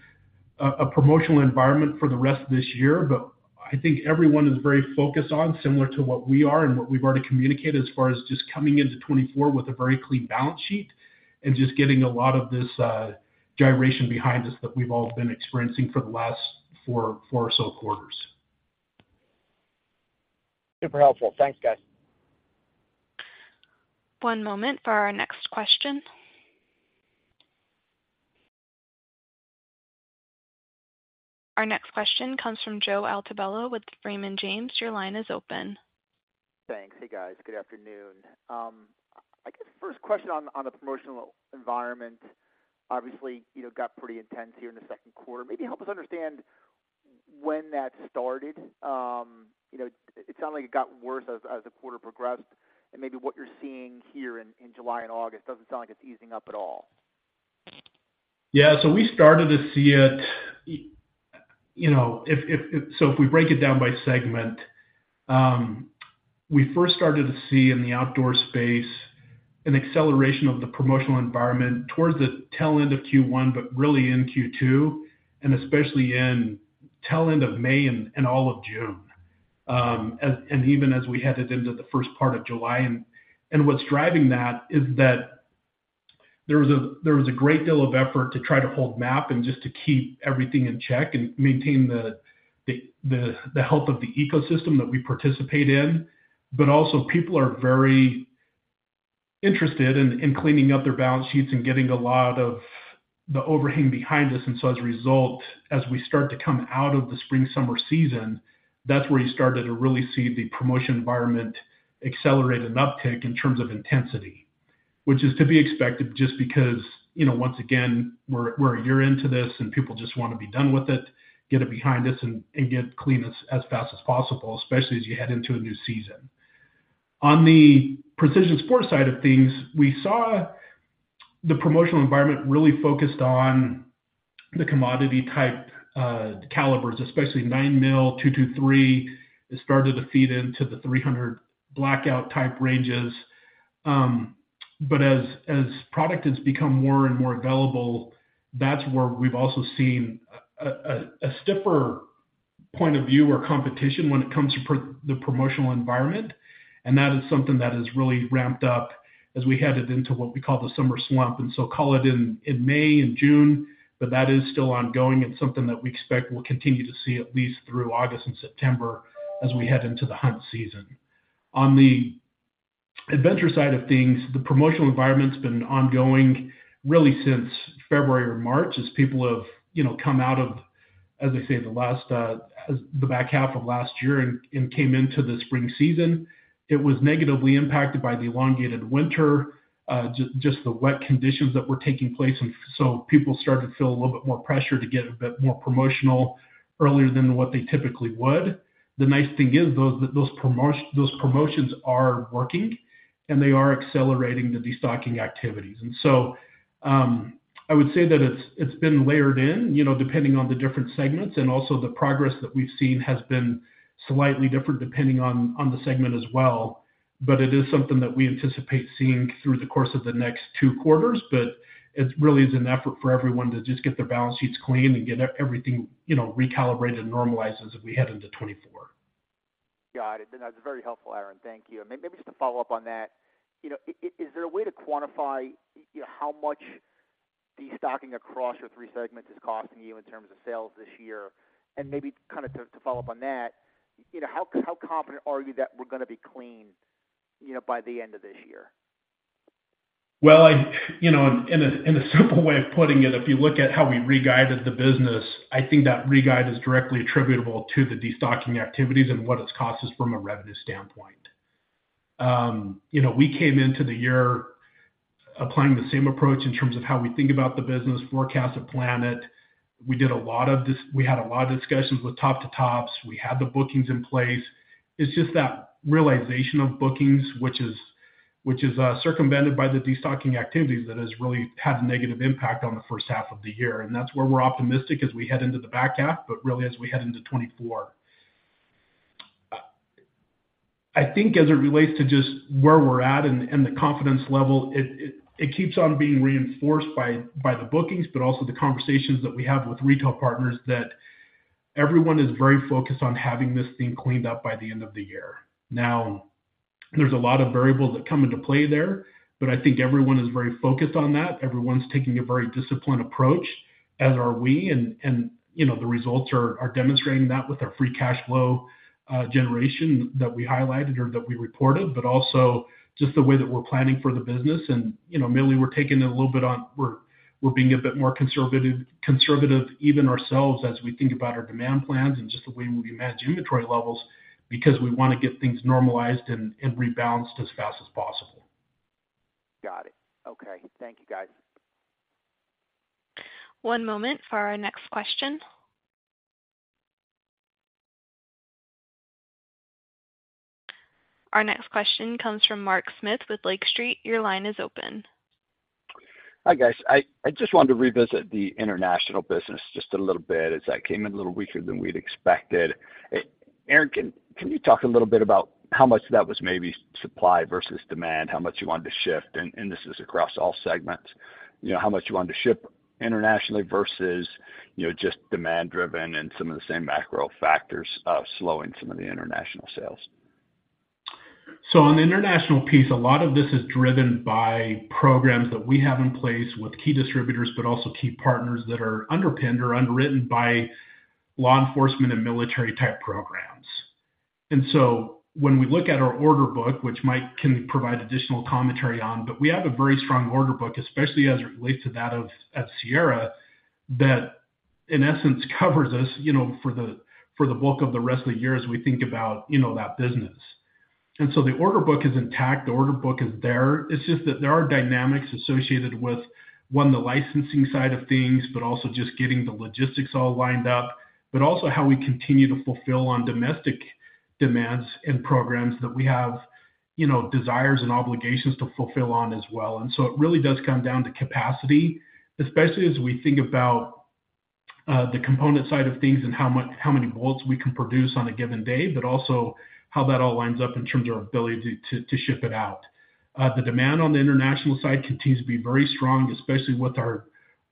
promotional environment for the rest of this year, but I think everyone is very focused on, similar to what we are and what we've already communicated as far as just coming into 2024 with a very clean balance sheet and just getting a lot of this gyration behind us that we've all been experiencing for the last 4, 4 or so quarters. Super helpful. Thanks, guys. One moment for our next question. Our next question comes from Joe Altobello with Raymond James. Your line is open. Thanks. Hey, guys. Good afternoon. I guess first question on, on the promotional environment, obviously, you know, got pretty intense here in the second quarter. Maybe help us understand when that started. You know, it sounds like it got worse as, as the quarter progressed, and maybe what you're seeing here in, in July and August. Doesn't sound like it's easing up at all. Yeah, so we started to see it, you know, if, if, if... If we break it down by segment, we first started to see in the outdoor space an acceleration of the promotional environment towards the tail end of Q1, but really in Q2, and especially in tail end of May and all of June, and even as we headed into the first part of July. What's driving that is that there was a great deal of effort to try to hold MAP and just to keep everything in check and maintain the health of the ecosystem that we participate in. Also people are very interested in cleaning up their balance sheets and getting a lot of the overhang behind us. As a result, as we start to come out of the spring, summer season, that's where you started to really see the promotion environment accelerate an uptick in terms of intensity, which is to be expected just because, you know, once again, we're, we're a year into this, and people just want to be done with it, get it behind us and, get clean as fast as possible, especially as you head into a new season. On the Precision Sports side of things, we saw the promotional environment really focused on the commodity-type calibers, especially 9mm, .223. It started to feed into the .300 Blackout-type ranges. As product has become more and more available, that's where we've also seen a stiffer point of view or competition when it comes to the promotional environment. That is something that has really ramped up as we headed into what we call the summer slump, and so call it in, in May and June, but that is still ongoing and something that we expect we'll continue to see at least through August and September as we head into the hunt season. On the adventure side of things, the promotional environment's been ongoing really since February or March, as people have, you know, come out of, as I say, the last, as the back half of last year and, and came into the spring season. It was negatively impacted by the elongated winter, just, just the wet conditions that were taking place, and so people started to feel a little bit more pressure to get a bit more promotional earlier than what they typically would. The nice thing is, those promotions are working, and they are accelerating the destocking activities. I would say that it's, it's been layered in, you know, depending on the different segments, and also the progress that we've seen has been slightly different depending on the segment as well. It is something that we anticipate seeing through the course of the next two quarters, but it really is an effort for everyone to just get their balance sheets clean and get everything, you know, recalibrated and normalized as we head into 2024. Got it. That's very helpful, Aaron. Thank you. Maybe just to follow up on that, you know, is there a way to quantify, you know, how much destocking across your 3 segments is costing you in terms of sales this year? Maybe kind of to follow up on that, you know, how, how confident are you that we're gonna be clean, you know, by the end of this year? Well, I, you know, in a simple way of putting it, if you look at how we reguided the business, I think that reguide is directly attributable to the destocking activities and what it's cost us from a revenue standpoint. You know, we came into the year applying the same approach in terms of how we think about the business, forecast it, plan it. We had a lot of discussions with top to tops. We had the bookings in place. It's just that realization of bookings, which is, which is, circumvented by the destocking activities, that has really had a negative impact on the first half of the year. That's where we're optimistic as we head into the back half, but really, as we head into 2024. I think as it relates to just where we're at and, and the confidence level, it, it, it keeps on being reinforced by, by the bookings, but also the conversations that we have with retail partners, that everyone is very focused on having this thing cleaned up by the end of the year. Now, there's a lot of variables that come into play there, but I think everyone is very focused on that. Everyone's taking a very disciplined approach, as are we, and, and, you know, the results are, are demonstrating that with our free cash flow generation that we highlighted or that we reported, but also just the way that we're planning for the business. you know, mainly we're taking a little bit on-- we're, we're being a bit more conservative, conservative even ourselves as we think about our demand plans and just the way we manage inventory levels, because we want to get things normalized and, and rebalanced as fast as possible. Got it. Okay. Thank you, guys. One moment for our next question. Our next question comes from Mark Smith with Lake Street. Your line is open. Hi, guys. I, I just wanted to revisit the international business just a little bit, as that came in a little weaker than we'd expected. Aaron, can, can you talk a little bit about how much of that was maybe supply versus demand, how much you wanted to shift? This is across all segments. You know, how much you wanted to ship internationally versus, you know, just demand-driven and some of the same macro factors slowing some of the international sales? On the international piece, a lot of this is driven by programs that we have in place with key distributors, but also key partners that are underpinned or underwritten by law enforcement and military-type programs. When we look at our order book, which Mike can provide additional commentary on, but we have a very strong order book, especially as it relates to that of at Sierra, that, in essence, covers us for the bulk of the rest of the year as we think about that business. The order book is intact, the order book is there. It's just that there are dynamics associated with, one, the licensing side of things, but also just getting the logistics all lined up, but also how we continue to fulfill on domestic demands and programs that we have, you know, desires and obligations to fulfill on as well. It really does come down to capacity, especially as we think about the component side of things and how many bolts we can produce on a given day, but also how that all lines up in terms of our ability to, to ship it out. The demand on the international side continues to be very strong, especially with our,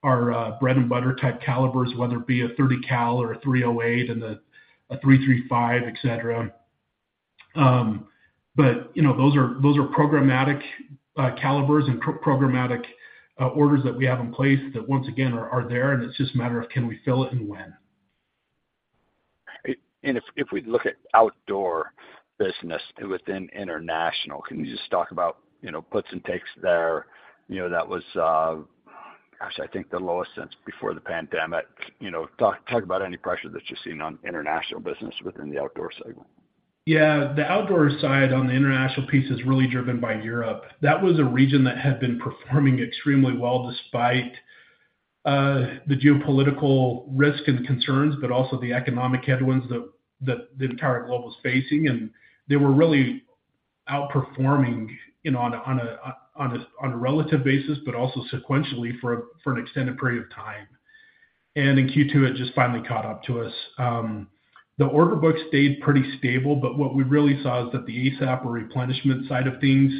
our, bread-and-butter-type calibers, whether it be a .30 cal or a .308 and a, a three three five, et cetera. You know, those are, those are programmatic calibers and programmatic orders that we have in place that once again, are, are there, and it's just a matter of can we fill it and when? If, if we look at outdoor business within international, can you just talk about, you know, puts and takes there? You know, that was, gosh, I think the lowest since before the pandemic. You know, talk, talk about any pressure that you're seeing on international business within the outdoor segment. Yeah, the outdoor side on the international piece is really driven by Europe. That was a region that had been performing extremely well, despite the geopolitical risk and concerns, but also the economic headwinds that the entire globe was facing. They were really outperforming, you know, on a, on a, on a, on a relative basis, but also sequentially for an extended period of time. In Q2, it just finally caught up to us. The order book stayed pretty stable, but what we really saw is that the ASAP or replenishment side of things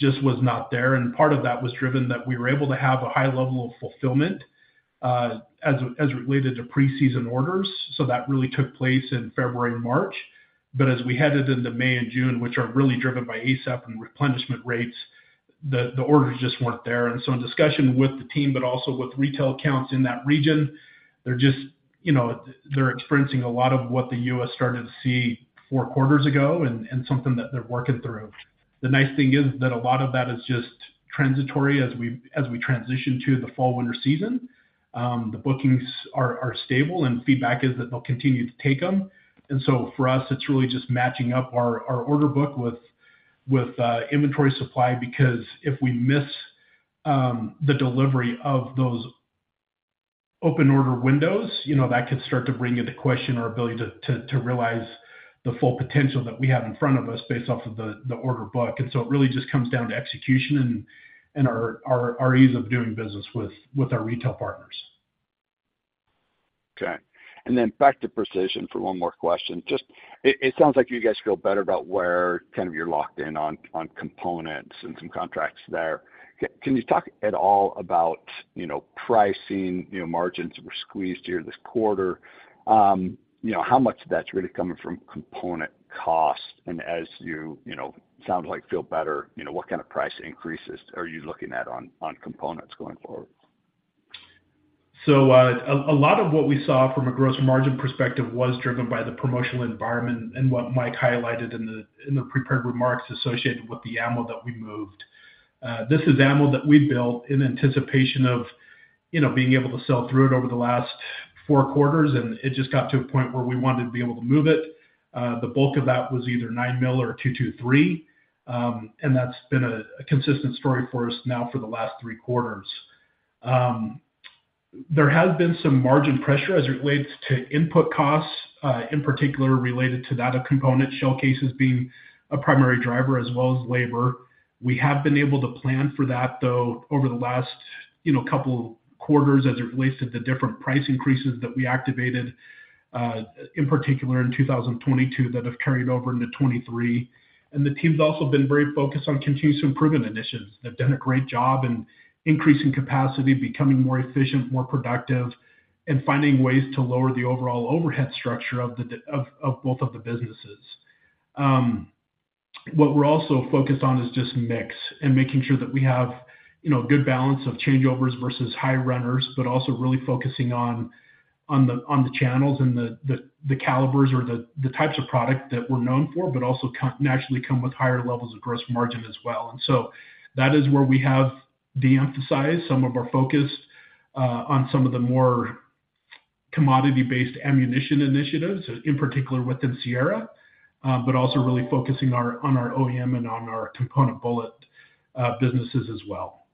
just was not there, and part of that was driven that we were able to have a high level of fulfillment, as related to preseason orders. That really took place in February, March. As we headed into May and June, which are really driven by ASAP and replenishment rates, the orders just weren't there. In discussion with the team, but also with retail accounts in that region, they're just, you know, experiencing a lot of what the U.S. started to see four quarters ago and something that they're working through. The nice thing is that a lot of that is just transitory as we, as we transition to the fall/winter season. The bookings are, are stable, and feedback is that they'll continue to take them. For us, it's really just matching up our, our order book with, with inventory supply, because if we miss the delivery of those open order windows, you know, that could start to bring into question our ability to, to, to realize the full potential that we have in front of us based off of the, the order book. It really just comes down to execution and, and our, our, our ease of doing business with, with our retail partners. Okay. Then back to Precision for one more question. Just, it sounds like you guys feel better about where kind of you're locked in on, on components and some contracts there. Can you talk at all about, you know, pricing? You know, margins were squeezed here this quarter. You know, how much of that's really coming from component cost? As you, you know, sound like, feel better, you know, what kind of price increases are you looking at on, on components going forward? A lot of what we saw from a gross margin perspective was driven by the promotional environment and what Mike highlighted in the, in the prepared remarks associated with the ammo that we moved. This is ammo that we built in anticipation of, you know, being able to sell through it over the last four quarters, and it just got to a point where we wanted to be able to move it. The bulk of that was either 9mm or .223, and that's been a consistent story for us now for the last three quarters. There has been some margin pressure as it relates to input costs, in particular related to that of component shell cases being a primary driver as well as labor. We have been able to plan for that, though, over the last, you know, couple quarters as it relates to the different price increases that we activated, in particular in 2022, that have carried over into 2023. The team's also been very focused on continuous improvement initiatives. They've done a great job in increasing capacity, becoming more efficient, more productive, and finding ways to lower the overall overhead structure of the of, of both of the businesses. What we're also focused on is just mix and making sure that we have, you know, a good balance of changeovers versus high runners, but also really focusing on, on the, on the channels and the, the, the calibers or the, the types of product that we're known for, but also naturally come with higher levels of gross margin as well. That is where we have de-emphasized some of our focus on some of the more commodity-based ammunition initiatives, in particular within Sierra, but also really focusing on our OEM and on our component bullet businesses as well.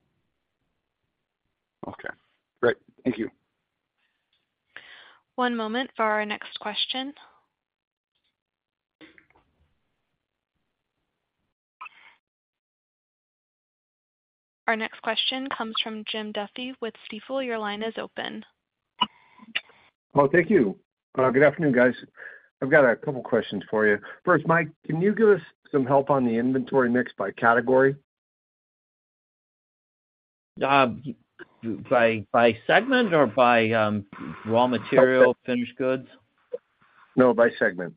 Okay, great. Thank you. One moment for our next question. Our next question comes from Jim Duffy with Stifel. Your line is open. Well, thank you. Good afternoon, guys. I've got a couple questions for you. First, Mike, can you give us some help on the inventory mix by category? by, by segment or by, raw material, finished goods? No, by segment.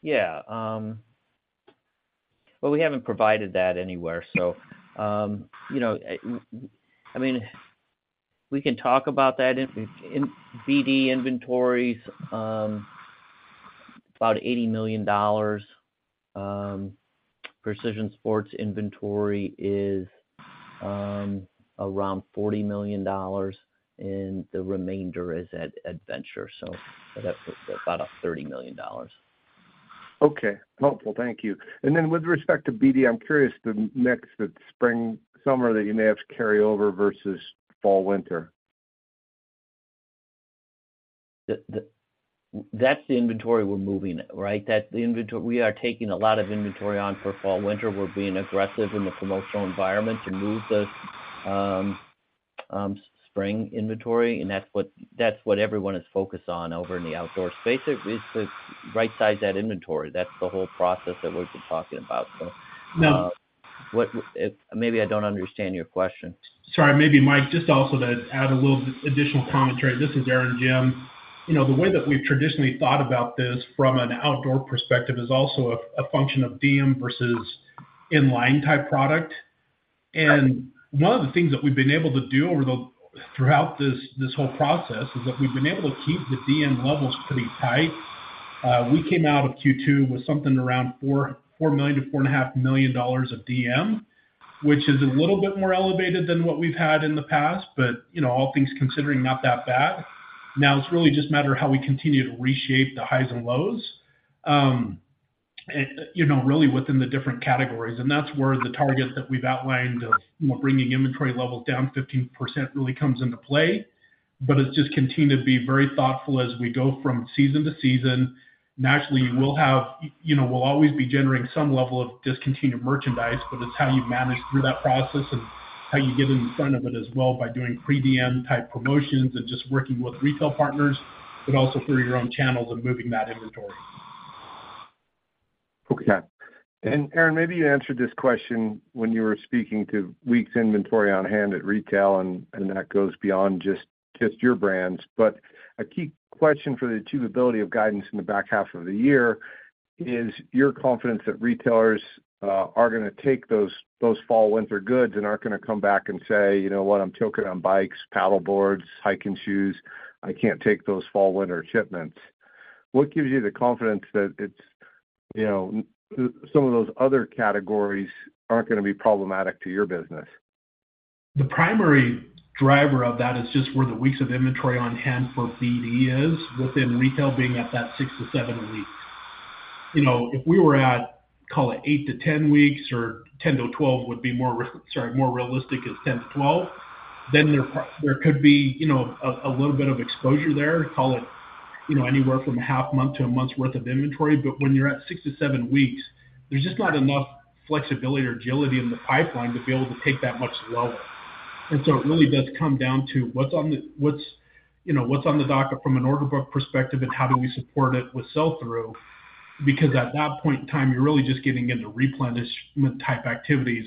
Yeah. Well, we haven't provided that anywhere, so, you know, I mean, we can talk about that in BD inventories, about $80 million. Precision Sports inventory is, around $40 million, and the remainder is at Adventure, so that's about $30 million. Okay. Helpful. Thank you. Then with respect to BD, I'm curious, the mix that spring/summer that you may have to carry over versus fall/winter. That's the inventory we're moving, right? That's the inventory... We are taking a lot of inventory on for fall/winter. We're being aggressive in the promotional environment to move the spring inventory, and that's what, that's what everyone is focused on over in the outdoor space. It is to right-size that inventory. That's the whole process that we've been talking about. So- Now- what, maybe I don't understand your question. Sorry, maybe, Mike, just also to add a little additional commentary. This is Aaron Jim. You know, the way that we've traditionally thought about this from an outdoor perspective is also a, a function of DM versus in-line type product. One of the things that we've been able to do throughout this whole process is that we've been able to keep the DM levels pretty tight. We came out of Q2 with something around $4 million to 4.5 million of DM, which is a little bit more elevated than what we've had in the past, but, you know, all things considering, not that bad. It's really just a matter of how we continue to reshape the highs and lows, and, you know, really within the different categories. That's where the targets that we've outlined of, you know, bringing inventory levels down 15% really comes into play. It's just continue to be very thoughtful as we go from season to season. Naturally, we'll have, you know, we'll always be generating some level of discontinued merchandise, but it's how you manage through that process and how you get in front of it as well, by doing pre-DM type promotions and just working with retail partners, but also through your own channels and moving that inventory. Okay. Aaron, maybe you answered this question when you were speaking to weeks inventory on hand at retail, and that goes beyond just, just your brands. A key question for the achievability of guidance in the back half of the year is your confidence that retailers are gonna take those, those fall/winter goods and aren't gonna come back and say, "You know what? I'm tilted on bikes, paddle boards, hiking shoes. I can't take those fall/winter shipments." What gives you the confidence that it's, you know, some of those other categories aren't gonna be problematic to your business? The primary driver of that is just where the weeks of inventory on hand for BD is, within retail being at that 6 to 7 weeks. You know, if we were at, call it 8 to 10 weeks, or 10 to 12 would be more realistic, is 10 to 12, then there, there could be, you know, a, a little bit of exposure there. Call it, you know, anywhere from a half month to a month's worth of inventory. When you're at 6 to 7 weeks, there's just not enough flexibility or agility in the pipeline to be able to take that much lower. It really does come down to what's on the, what's, you know, what's on the docket from an order book perspective and how do we support it with sell-through? Because at that point in time, you're really just getting into replenishment type activities,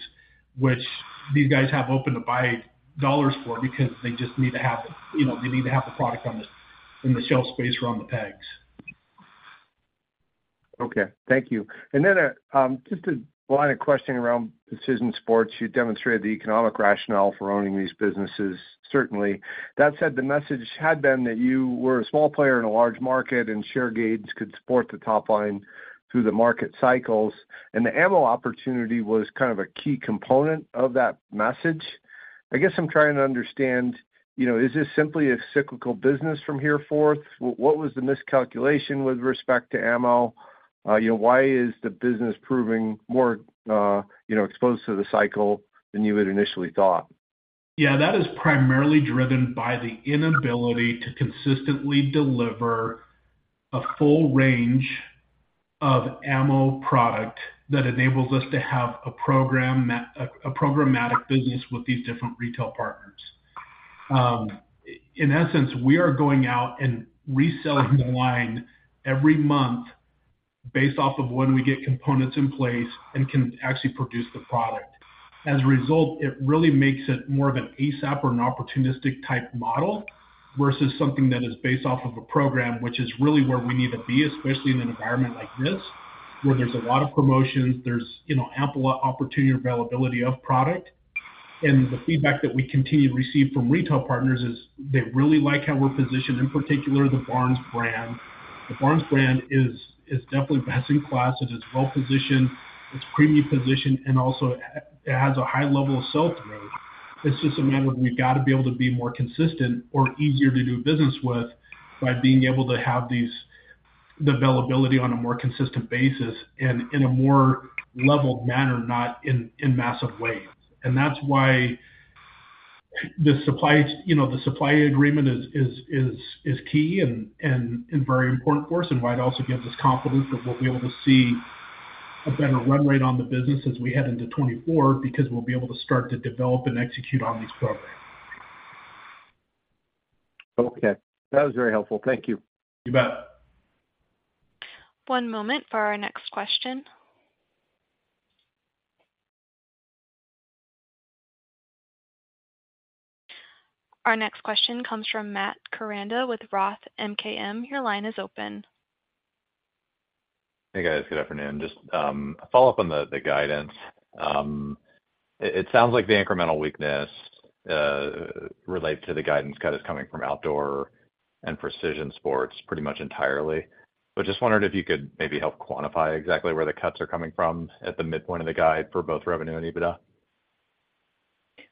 which these guys have open-to-buy dollars for, because they just need to have, you know, they need to have the product on the, in the shelf space or on the pegs. Okay, thank you. Just a line of questioning around Precision Sports. You demonstrated the economic rationale for owning these businesses, certainly. That said, the message had been that you were a small player in a large market, and share gains could support the top line through the market cycles, and the ammo opportunity was kind of a key component of that message. I guess I'm trying to understand, you know, is this simply a cyclical business from here forth? What, what was the miscalculation with respect to ammo? You know, why is the business proving more, you know, exposed to the cycle than you had initially thought? Yeah, that is primarily driven by the inability to consistently deliver a full range of ammo product that enables us to have a program, a programmatic business with these different retail partners. In essence, we are going out and reselling the line every month based off of when we get components in place and can actually produce the product. As a result, it really makes it more of an ASAP or an opportunistic type model versus something that is based off of a program, which is really where we need to be, especially in an environment like this, where there's a lot of promotions, there's, you know, ample opportunity and availability of product. And the feedback that we continue to receive from retail partners is they really like how we're positioned, in particular, the Barnes brand. The Barnes brand is, is definitely best in class. It is well-positioned, it's premium positioned, and also, it has a high level of sell-through. It's just a matter of we've got to be able to be more consistent or easier to do business with by being able to have the availability on a more consistent basis and in a more leveled manner, not in massive waves. That's why. The supply, you know, the supply agreement is key and very important for us, and why it also gives us confidence that we'll be able to see a better run rate on the business as we head into 2024, because we'll be able to start to develop and execute on these programs. Okay. That was very helpful. Thank you. You bet. One moment for our next question. Our next question comes from Matt Koranda with Roth MKM. Your line is open. Hey, guys. Good afternoon. Just a follow-up on the guidance. It sounds like the incremental weakness related to the guidance cut is coming from outdoor and Precision Sports pretty much entirely. Just wondered if you could maybe help quantify exactly where the cuts are coming from at the midpoint of the guide for both revenue and EBITDA?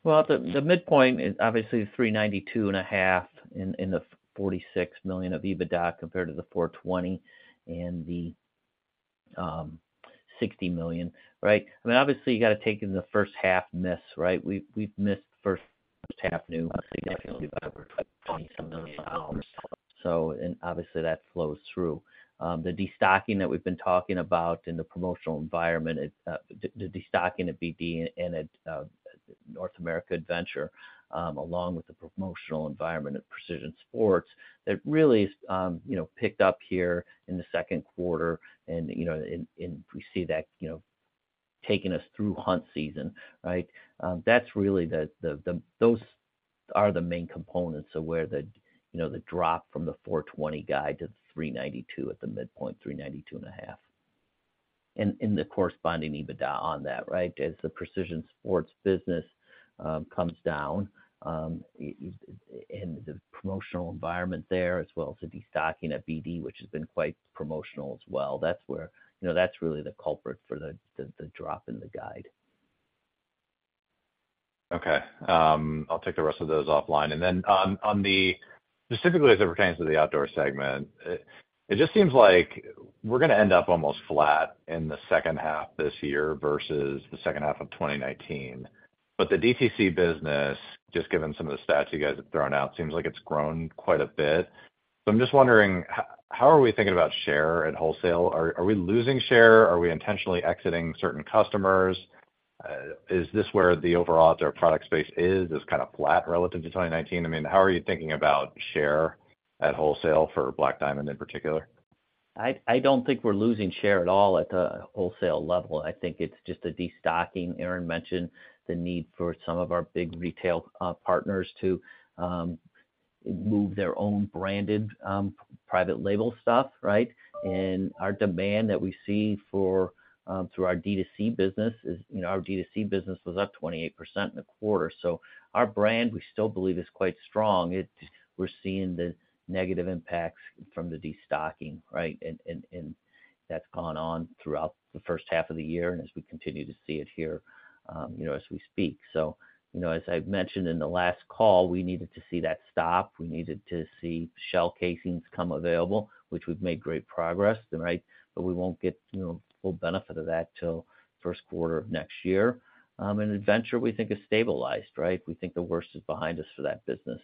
Well, the, the midpoint is obviously 392.5 in, in the $46 million of EBITDA compared to the 420 and the $60 million, right? I mean, obviously, you got to take in the first half miss, right? We've, we've missed the first half significantly by $27 million. Obviously, that flows through. The destocking that we've been talking about in the promotional environment, the destocking at BD and at North America Adventure, along with the promotional environment at Precision Sports, that really, you know, picked up here in the second quarter. We see that, you know, taking us through hunt season, right? That's really the, the, those are the main components of where the, you know, the drop from the $420 guide to $392 at the midpoint, $392.5. The corresponding EBITDA on that, right? As the Precision Sports business comes down, and the promotional environment there, as well as the destocking at BD, which has been quite promotional as well. That's where, you know, that's really the culprit for the drop in the guide. Okay. I'll take the rest of those offline. Then on, on the-- specifically as it pertains to the outdoor segment, it just seems like we're gonna end up almost flat in the second half this year versus the second half of 2019. The DTC business, just given some of the stats you guys have thrown out, seems like it's grown quite a bit. I'm just wondering, how are we thinking about share at wholesale? Are we losing share? Are we intentionally exiting certain customers? Is this where the overall outdoor product space is kinda flat relative to 2019? I mean, how are you thinking about share at wholesale for Black Diamond in particular? I don't think we're losing share at all at the wholesale level. I think it's just a destocking. Aaron mentioned the need for some of our big retail partners to move their own branded private label stuff, right? Our demand that we see for through our DTC business is, you know, our DTC business was up 28% in the quarter. Our brand, we still believe, is quite strong. We're seeing the negative impacts from the destocking, right? That's gone on throughout the first half of the year, and as we continue to see it here, you know, as we speak. You know, as I've mentioned in the last call, we needed to see that stop. We needed to see shell casings come available, which we've made great progress, right? We won't get, you know, full benefit of that till first quarter of next year. Venture, we think, is stabilized, right? We think the worst is behind us for that business.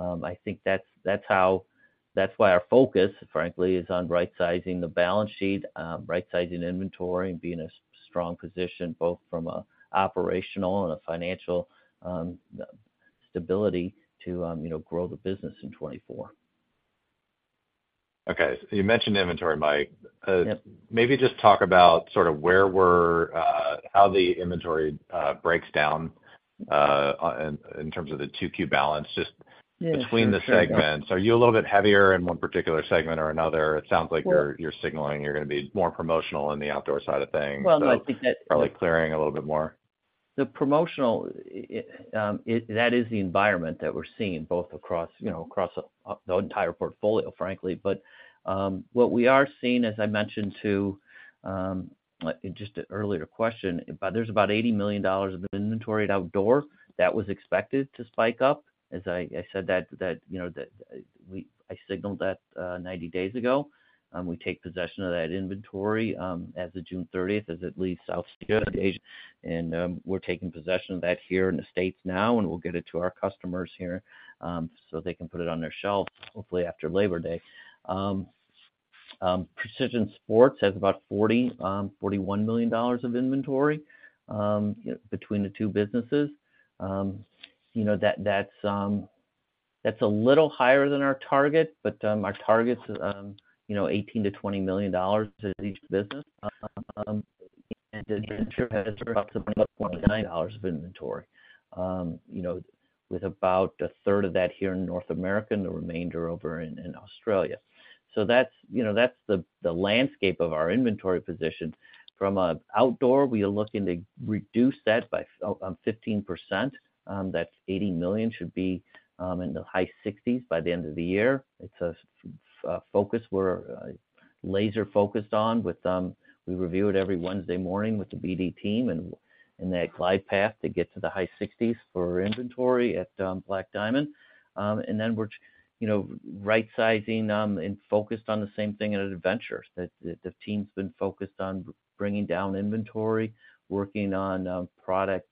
I think that's, that's why our focus, frankly, is on right-sizing the balance sheet, right-sizing inventory, and be in a strong position, both from an operational and a financial stability to, you know, grow the business in 2024. Okay. You mentioned inventory, Mike. Yep. Maybe just talk about sort of where we're how the inventory breaks down in, in terms of the 2Q balance. Yeah. between the segments. Are you a little bit heavier in one particular segment or another? It sounds like- Well- you're, you're signaling you're gonna be more promotional on the outdoor side of things. Well, no, I think that- Probably clearing a little bit more. The promotional, that is the environment that we're seeing both across, you know, across the entire portfolio, frankly. What we are seeing, as I mentioned to just an earlier question, there's about $80 million of inventory at outdoor that was expected to spike up. As I, I said that, that, you know, that we-- I signaled that 90 days ago. We take possession of that inventory as of June 30th, as it leaves South Korea and Asia, and we're taking possession of that here in the States now, and we'll get it to our customers here, so they can put it on their shelves, hopefully after Labor Day. Precision Sports has about $41 million of inventory between the two businesses. You know, that's a little higher than our target, but our target's, you know, $18 million to 20 million to each business. Venture has approximately $0.90 of inventory, you know, with about a third of that here in North America, and the remainder over in Australia. That's, you know, that's the landscape of our inventory position. From a outdoor, we are looking to reduce that by 15%. That's $80 million, should be in the high $60 million by the end of the year. It's a focus we're laser-focused on with, we review it every Wednesday morning with the BD team and that glide path to get to the high $60 million for inventory at Black Diamond. Then we're, you know, right-sizing, and focused on the same thing at Venture. The team's been focused on bringing down inventory, working on product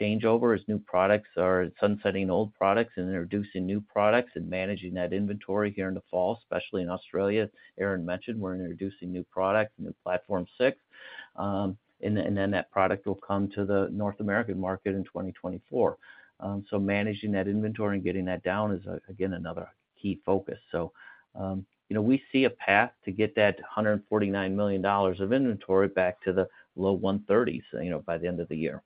changeover as new products are sunsetting old products and introducing new products and managing that inventory here in the fall, especially in Australia. Aaron mentioned we're introducing new product, new Platform 6. Then, and then that product will come to the North American market in 2024. Managing that inventory and getting that down is, again, another key focus. You know, we see a path to get that $149 million of inventory back to the low $130 million, you know, by the end of the year.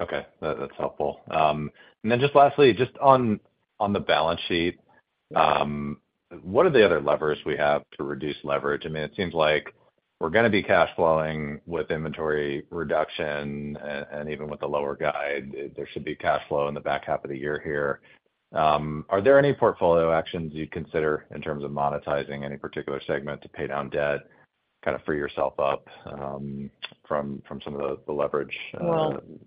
Okay, that, that's helpful. And then just lastly, just on, on the balance sheet, what are the other levers we have to reduce leverage? I mean, it seems like we're gonna be cash flowing with inventory reduction, and, and even with the lower guide, there should be cash flow in the back half of the year here. Are there any portfolio actions you'd consider in terms of monetizing any particular segment to pay down debt, kind of free yourself up, from, from some of the, the leverage,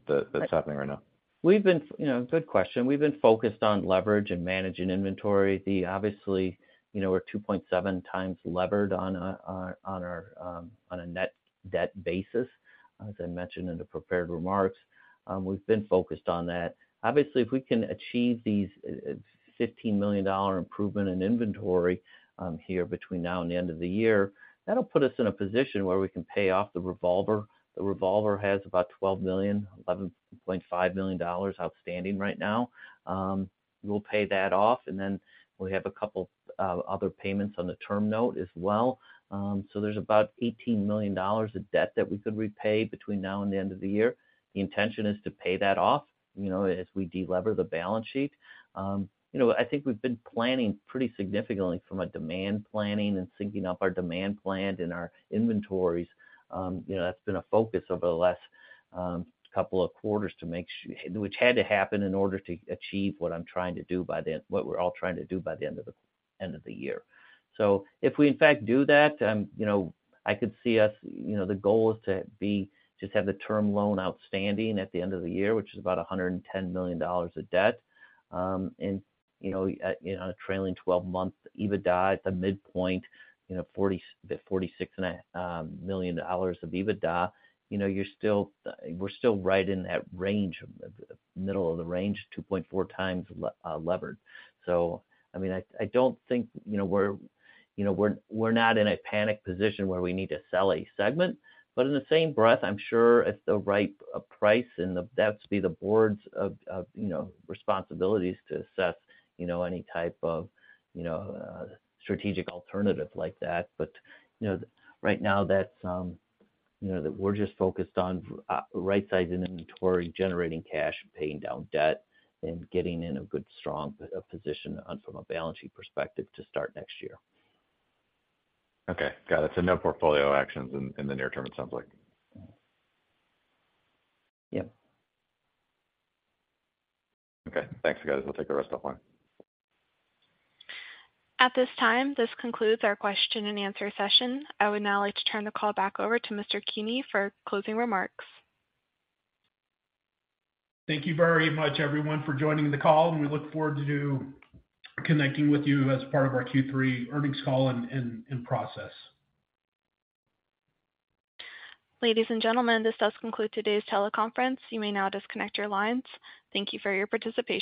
that, that's happening right now? We've been, you know, good question. We've been focused on leverage and managing inventory. Obviously, you know, we're 2.7x levered on our on a net debt basis. As I mentioned in the prepared remarks, we've been focused on that. Obviously, if we can achieve these $15 million improvement in inventory here between now and the end of the year, that'll put us in a position where we can pay off the revolver. The revolver has about $12 million, $11.5 million outstanding right now. We'll pay that off, and then we have a couple other payments on the term note as well. There's about $18 million of debt that we could repay between now and the end of the year. The intention is to pay that off, you know, as we delever the balance sheet. You know, I think we've been planning pretty significantly from a demand planning and syncing up our demand plan and our inventories. You know, that's been a focus over the last, couple of quarters to make su-- which had to happen in order to achieve what I'm trying to do by the end -- what we're all trying to do by the end of the, end of the year. If we in fact do that, you know, I could see us, you know, the goal is to be, just have the term loan outstanding at the end of the year, which is about $110 million of debt. you know, on a trailing twelve-month EBITDA at the midpoint, you know, $40 to 46 million of EBITDA, you know, you're still, we're still right in that range, middle of the range, 2.4x levered. I mean, I, I don't think, you know, we're, you know, we're, we're not in a panic position where we need to sell a segment. In the same breath, I'm sure at the right price, and that's be the boards of, of, you know, responsibilities to assess, you know, any type of, you know, strategic alternative like that. you know, right now that's, you know, we're just focused on right-sizing inventory, generating cash, paying down debt, and getting in a good, strong position from a balance sheet perspective to start next year. Okay, got it. No portfolio actions in, in the near term, it sounds like? Yep. Okay. Thanks, guys. I'll take the rest off line. At this time, this concludes our question and answer session. I would now like to turn the call back over to Mr. Kuehne for closing remarks. Thank you very much, everyone, for joining the call, and we look forward to connecting with you as part of our Q3 earnings call and process. Ladies and gentlemen, this does conclude today's teleconference. You may now disconnect your lines. Thank you for your participation.